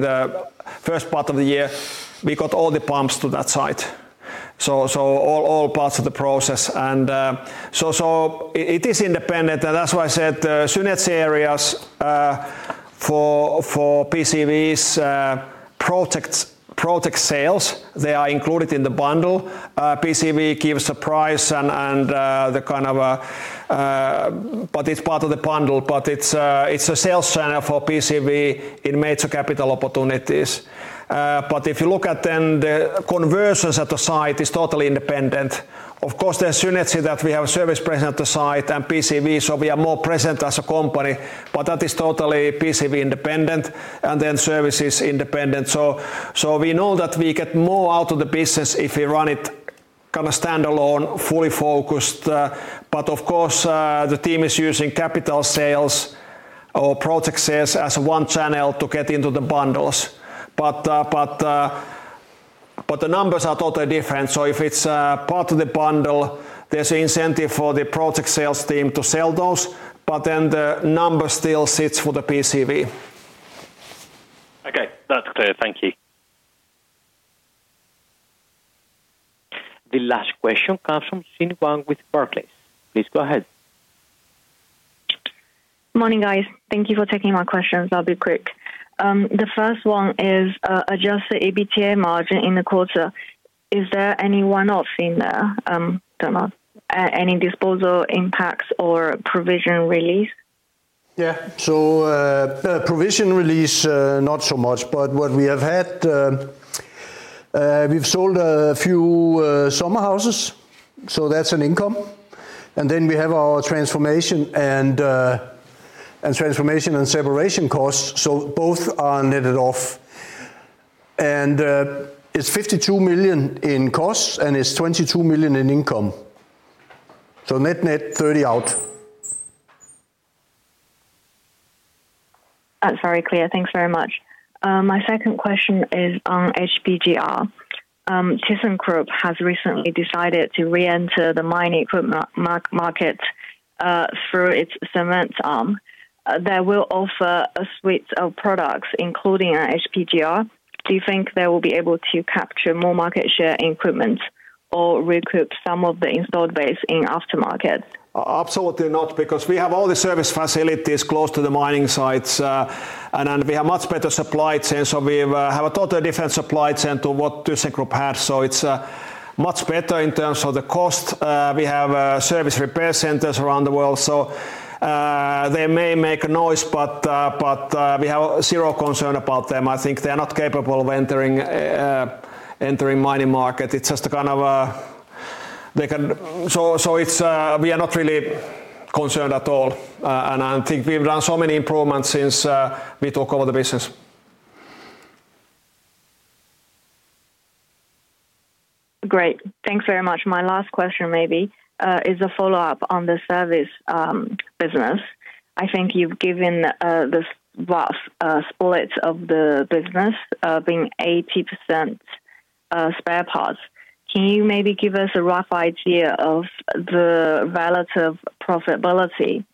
the first part of the year, we got all the pumps to that site. All parts of the process. It is independent. That is why I said the synergy areas for PCV's project sales, they are included in the bundle. PCV gives a price and the kind of, but it's part of the bundle, but it's a sales channel for PCV in major capital opportunities. If you look at then the conversions at the site, it's totally independent. Of course, there's synergy that we have a service present at the site and PCV, so we are more present as a company. That is totally PCV independent and then services independent. We know that we get more out of the business if we run it kind of standalone, fully focused. Of course, the team is using capital sales or project sales as one channel to get into the bundles. The numbers are totally different. If it's part of the bundle, there's an incentive for the project sales team to sell those, but then the number still sits for the PCV.
Okay, that's clear. Thank you.
The last question comes from Xin Wang with Barclays. Please go ahead.
Morning, guys. Thank you for taking my questions. I'll be quick. The first one is adjust the EBITA margin in the quarter. Is there any one-off in there? Any disposal impacts or provision release?
Yeah, provision release, not so much, but what we have had, we've sold a few summer houses, so that's an income. We have our transformation and separation costs. Both are netted off. It is 52 million in costs and 22 million in income. Net-net, 30 million out.
That's very clear. Thanks very much. My second question is on HPGR. ThyssenKrupp has recently decided to re-enter the mining equipment market through its cement arm. They will offer a suite of products, including HPGR. Do you think they will be able to capture more market share in equipment or recoup some of the installed base in aftermarket?
Absolutely not, because we have all the service facilities close to the mining sites, and we have a much better supply chain. We have a totally different supply chain to what thyssenkrupp has. It is much better in terms of the cost. We have service repair centers around the world. They may make a noise, but we have zero concern about them. I think they are not capable of entering the mining market. It is just kind of a, we are not really concerned at all. I think we have done so many improvements since we took over the business.
Great. Thanks very much. My last question maybe is a follow-up on the service business. I think you've given this rough split of the business being 80% spare parts. Can you maybe give us a rough idea of the relative profitability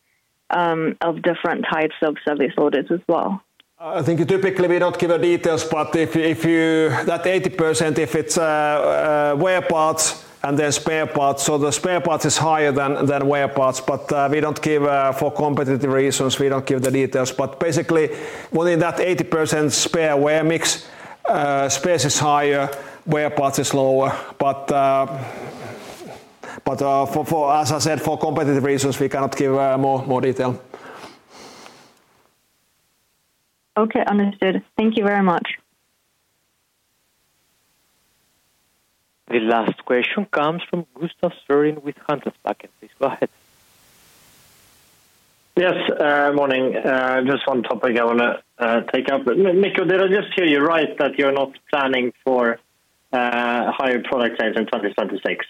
of different types of service orders as well?
I think typically we don't give the details, but if you, that 80%, if it's wear parts and then spare parts. So the spare parts is higher than wear parts, but we don't give for competitive reasons. We don't give the details. Basically, within that 80% spare wear mix, spare is higher, wear parts is lower. As I said, for competitive reasons, we cannot give more detail.
Okay, understood. Thank you very much.
The last question comes from Gustav Sundby with Handelsbanken. Please go ahead.
Yes, morning. Just one topic I want to take up. Mikko, did I just hear you right that you're not planning for higher product size in 2026?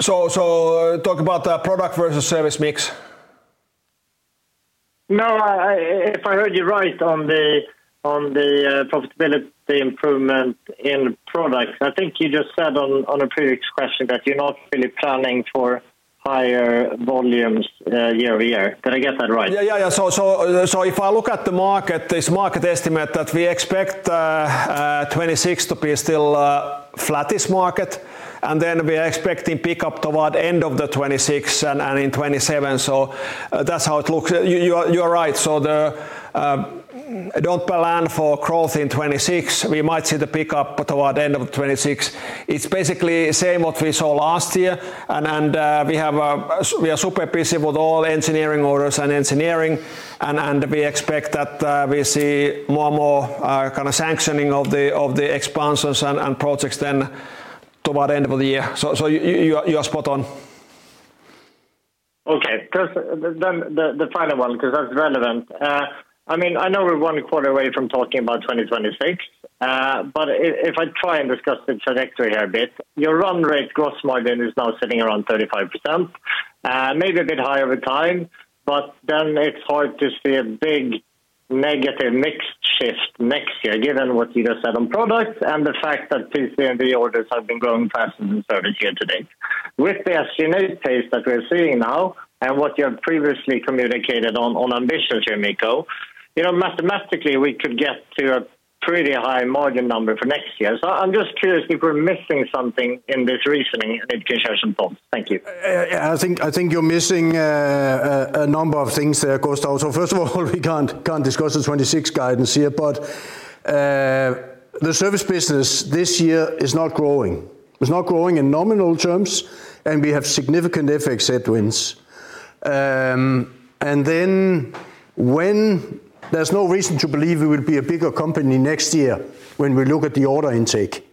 Talk about the product versus service mix?
If I heard you right on the profitability improvement in product, I think you just said on a previous question that you're not really planning for higher volumes year-over-year. Did I get that right?
Yeah, yeah, yeah. If I look at the market, this market estimate that we expect 2026 to be still flat, this market, and then we are expecting pickup toward end of 2026 and in 2027. That is how it looks. You're right. Do not plan for growth in 2026. We might see the pickup toward end of 2026. It is basically the same as what we saw last year. We are super busy with all engineering orders and engineering, and we expect that we see more and more kind of sanctioning of the expansions and projects then toward end of the year. So you're spot on. Okay, the final one, because that's relevant. I mean, I know we're one quarter away from talking about 2026, but if I try and discuss the trajectory here a bit, your run rate gross margin is now sitting around 35%. Maybe a bit higher over time, but then it's hard to see a big negative mix shift next year, given what you just said on products and the fact that PCV orders have been growing faster than service year-to-date. With the SG&A pace that we're seeing now and what you have previously communicated on ambitions here, Mikko, mathematically, we could get to a pretty high margin number for next year. I'm just curious if we're missing something in this reasoning, and if you can share some thoughts. Thank you.
I think you're missing a number of things there, Gustav. First of all, we cannot discuss the 2026 guidance here, but the service business this year is not growing. It is not growing in nominal terms, and we have significant FX headwinds. There is no reason to believe we will be a bigger company next year when we look at the order intake.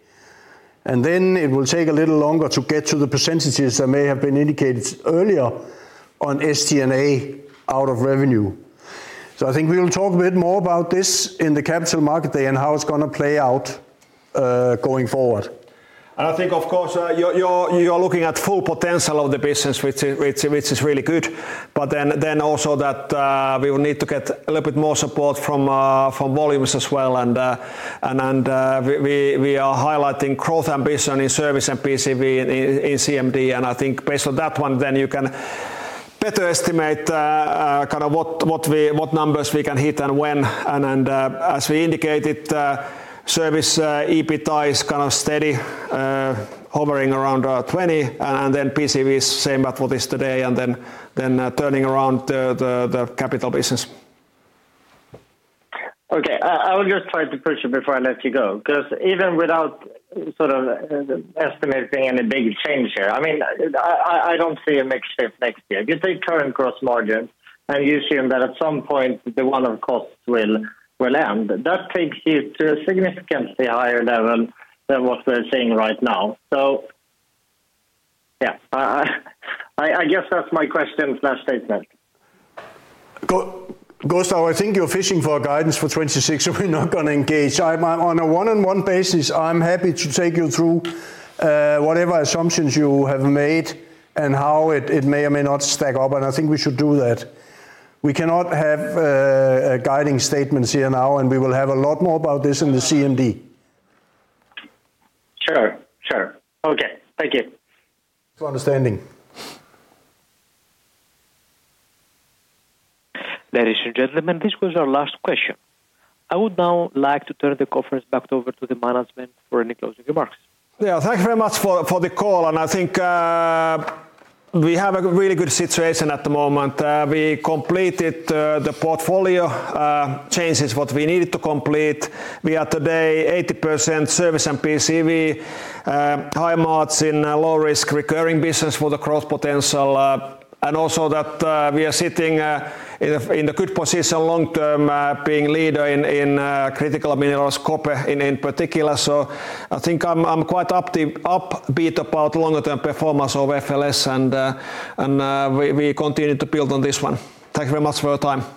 It will take a little longer to get to the percentages that may have been indicated earlier on SG&A out of revenue. I think we will talk a bit more about this in the capital market day and how it is going to play out going forward.
I think, of course, you are looking at full potential of the business, which is really good. Also, we will need to get a little bit more support from volumes as well. e are highlighting growth ambition in service and PCV in CMD. I think based on that one, you can better estimate kind of what numbers we can hit and when. As we indicated, service EBITDA is kind of steady, hovering around 20, and then PCV is same at what it is today, and then turning around the capital business.
Okay, I will just try to push it before I let you go. Even without sort of estimating any big change here, I mean, I do not see a mix shift next year. If you take current gross margin and you assume that at some point the one-off costs will end, that takes you to a significantly higher level than what we are seeing right now. Yeah, I guess that is my question/statement.
Gustav, I think you are fishing for guidance for 2026, so we are not going to engage. On a one-on-one basis, I'm happy to take you through whatever assumptions you have made and how it may or may not stack up, and I think we should do that. We cannot have guiding statements here now, and we will have a lot more about this in the CMD.
Sure, sure. Okay, thank you.
To understanding.
Ladies and gentlemen, this was our last question. I would now like to turn the conference back over to the management for any closing remarks.
Yeah, thank you very much for the call. I think we have a really good situation at the moment. We completed the portfolio changes, what we needed to complete. We are today 80% service and PCV, high margin low-risk recurring business for the growth potential. Also, we are sitting in the good position long-term, being leader in critical minerals, copper in particular. I think I'm quite upbeat about longer-term performance of FLS, and we continue to build on this one. Thank you very much for your time.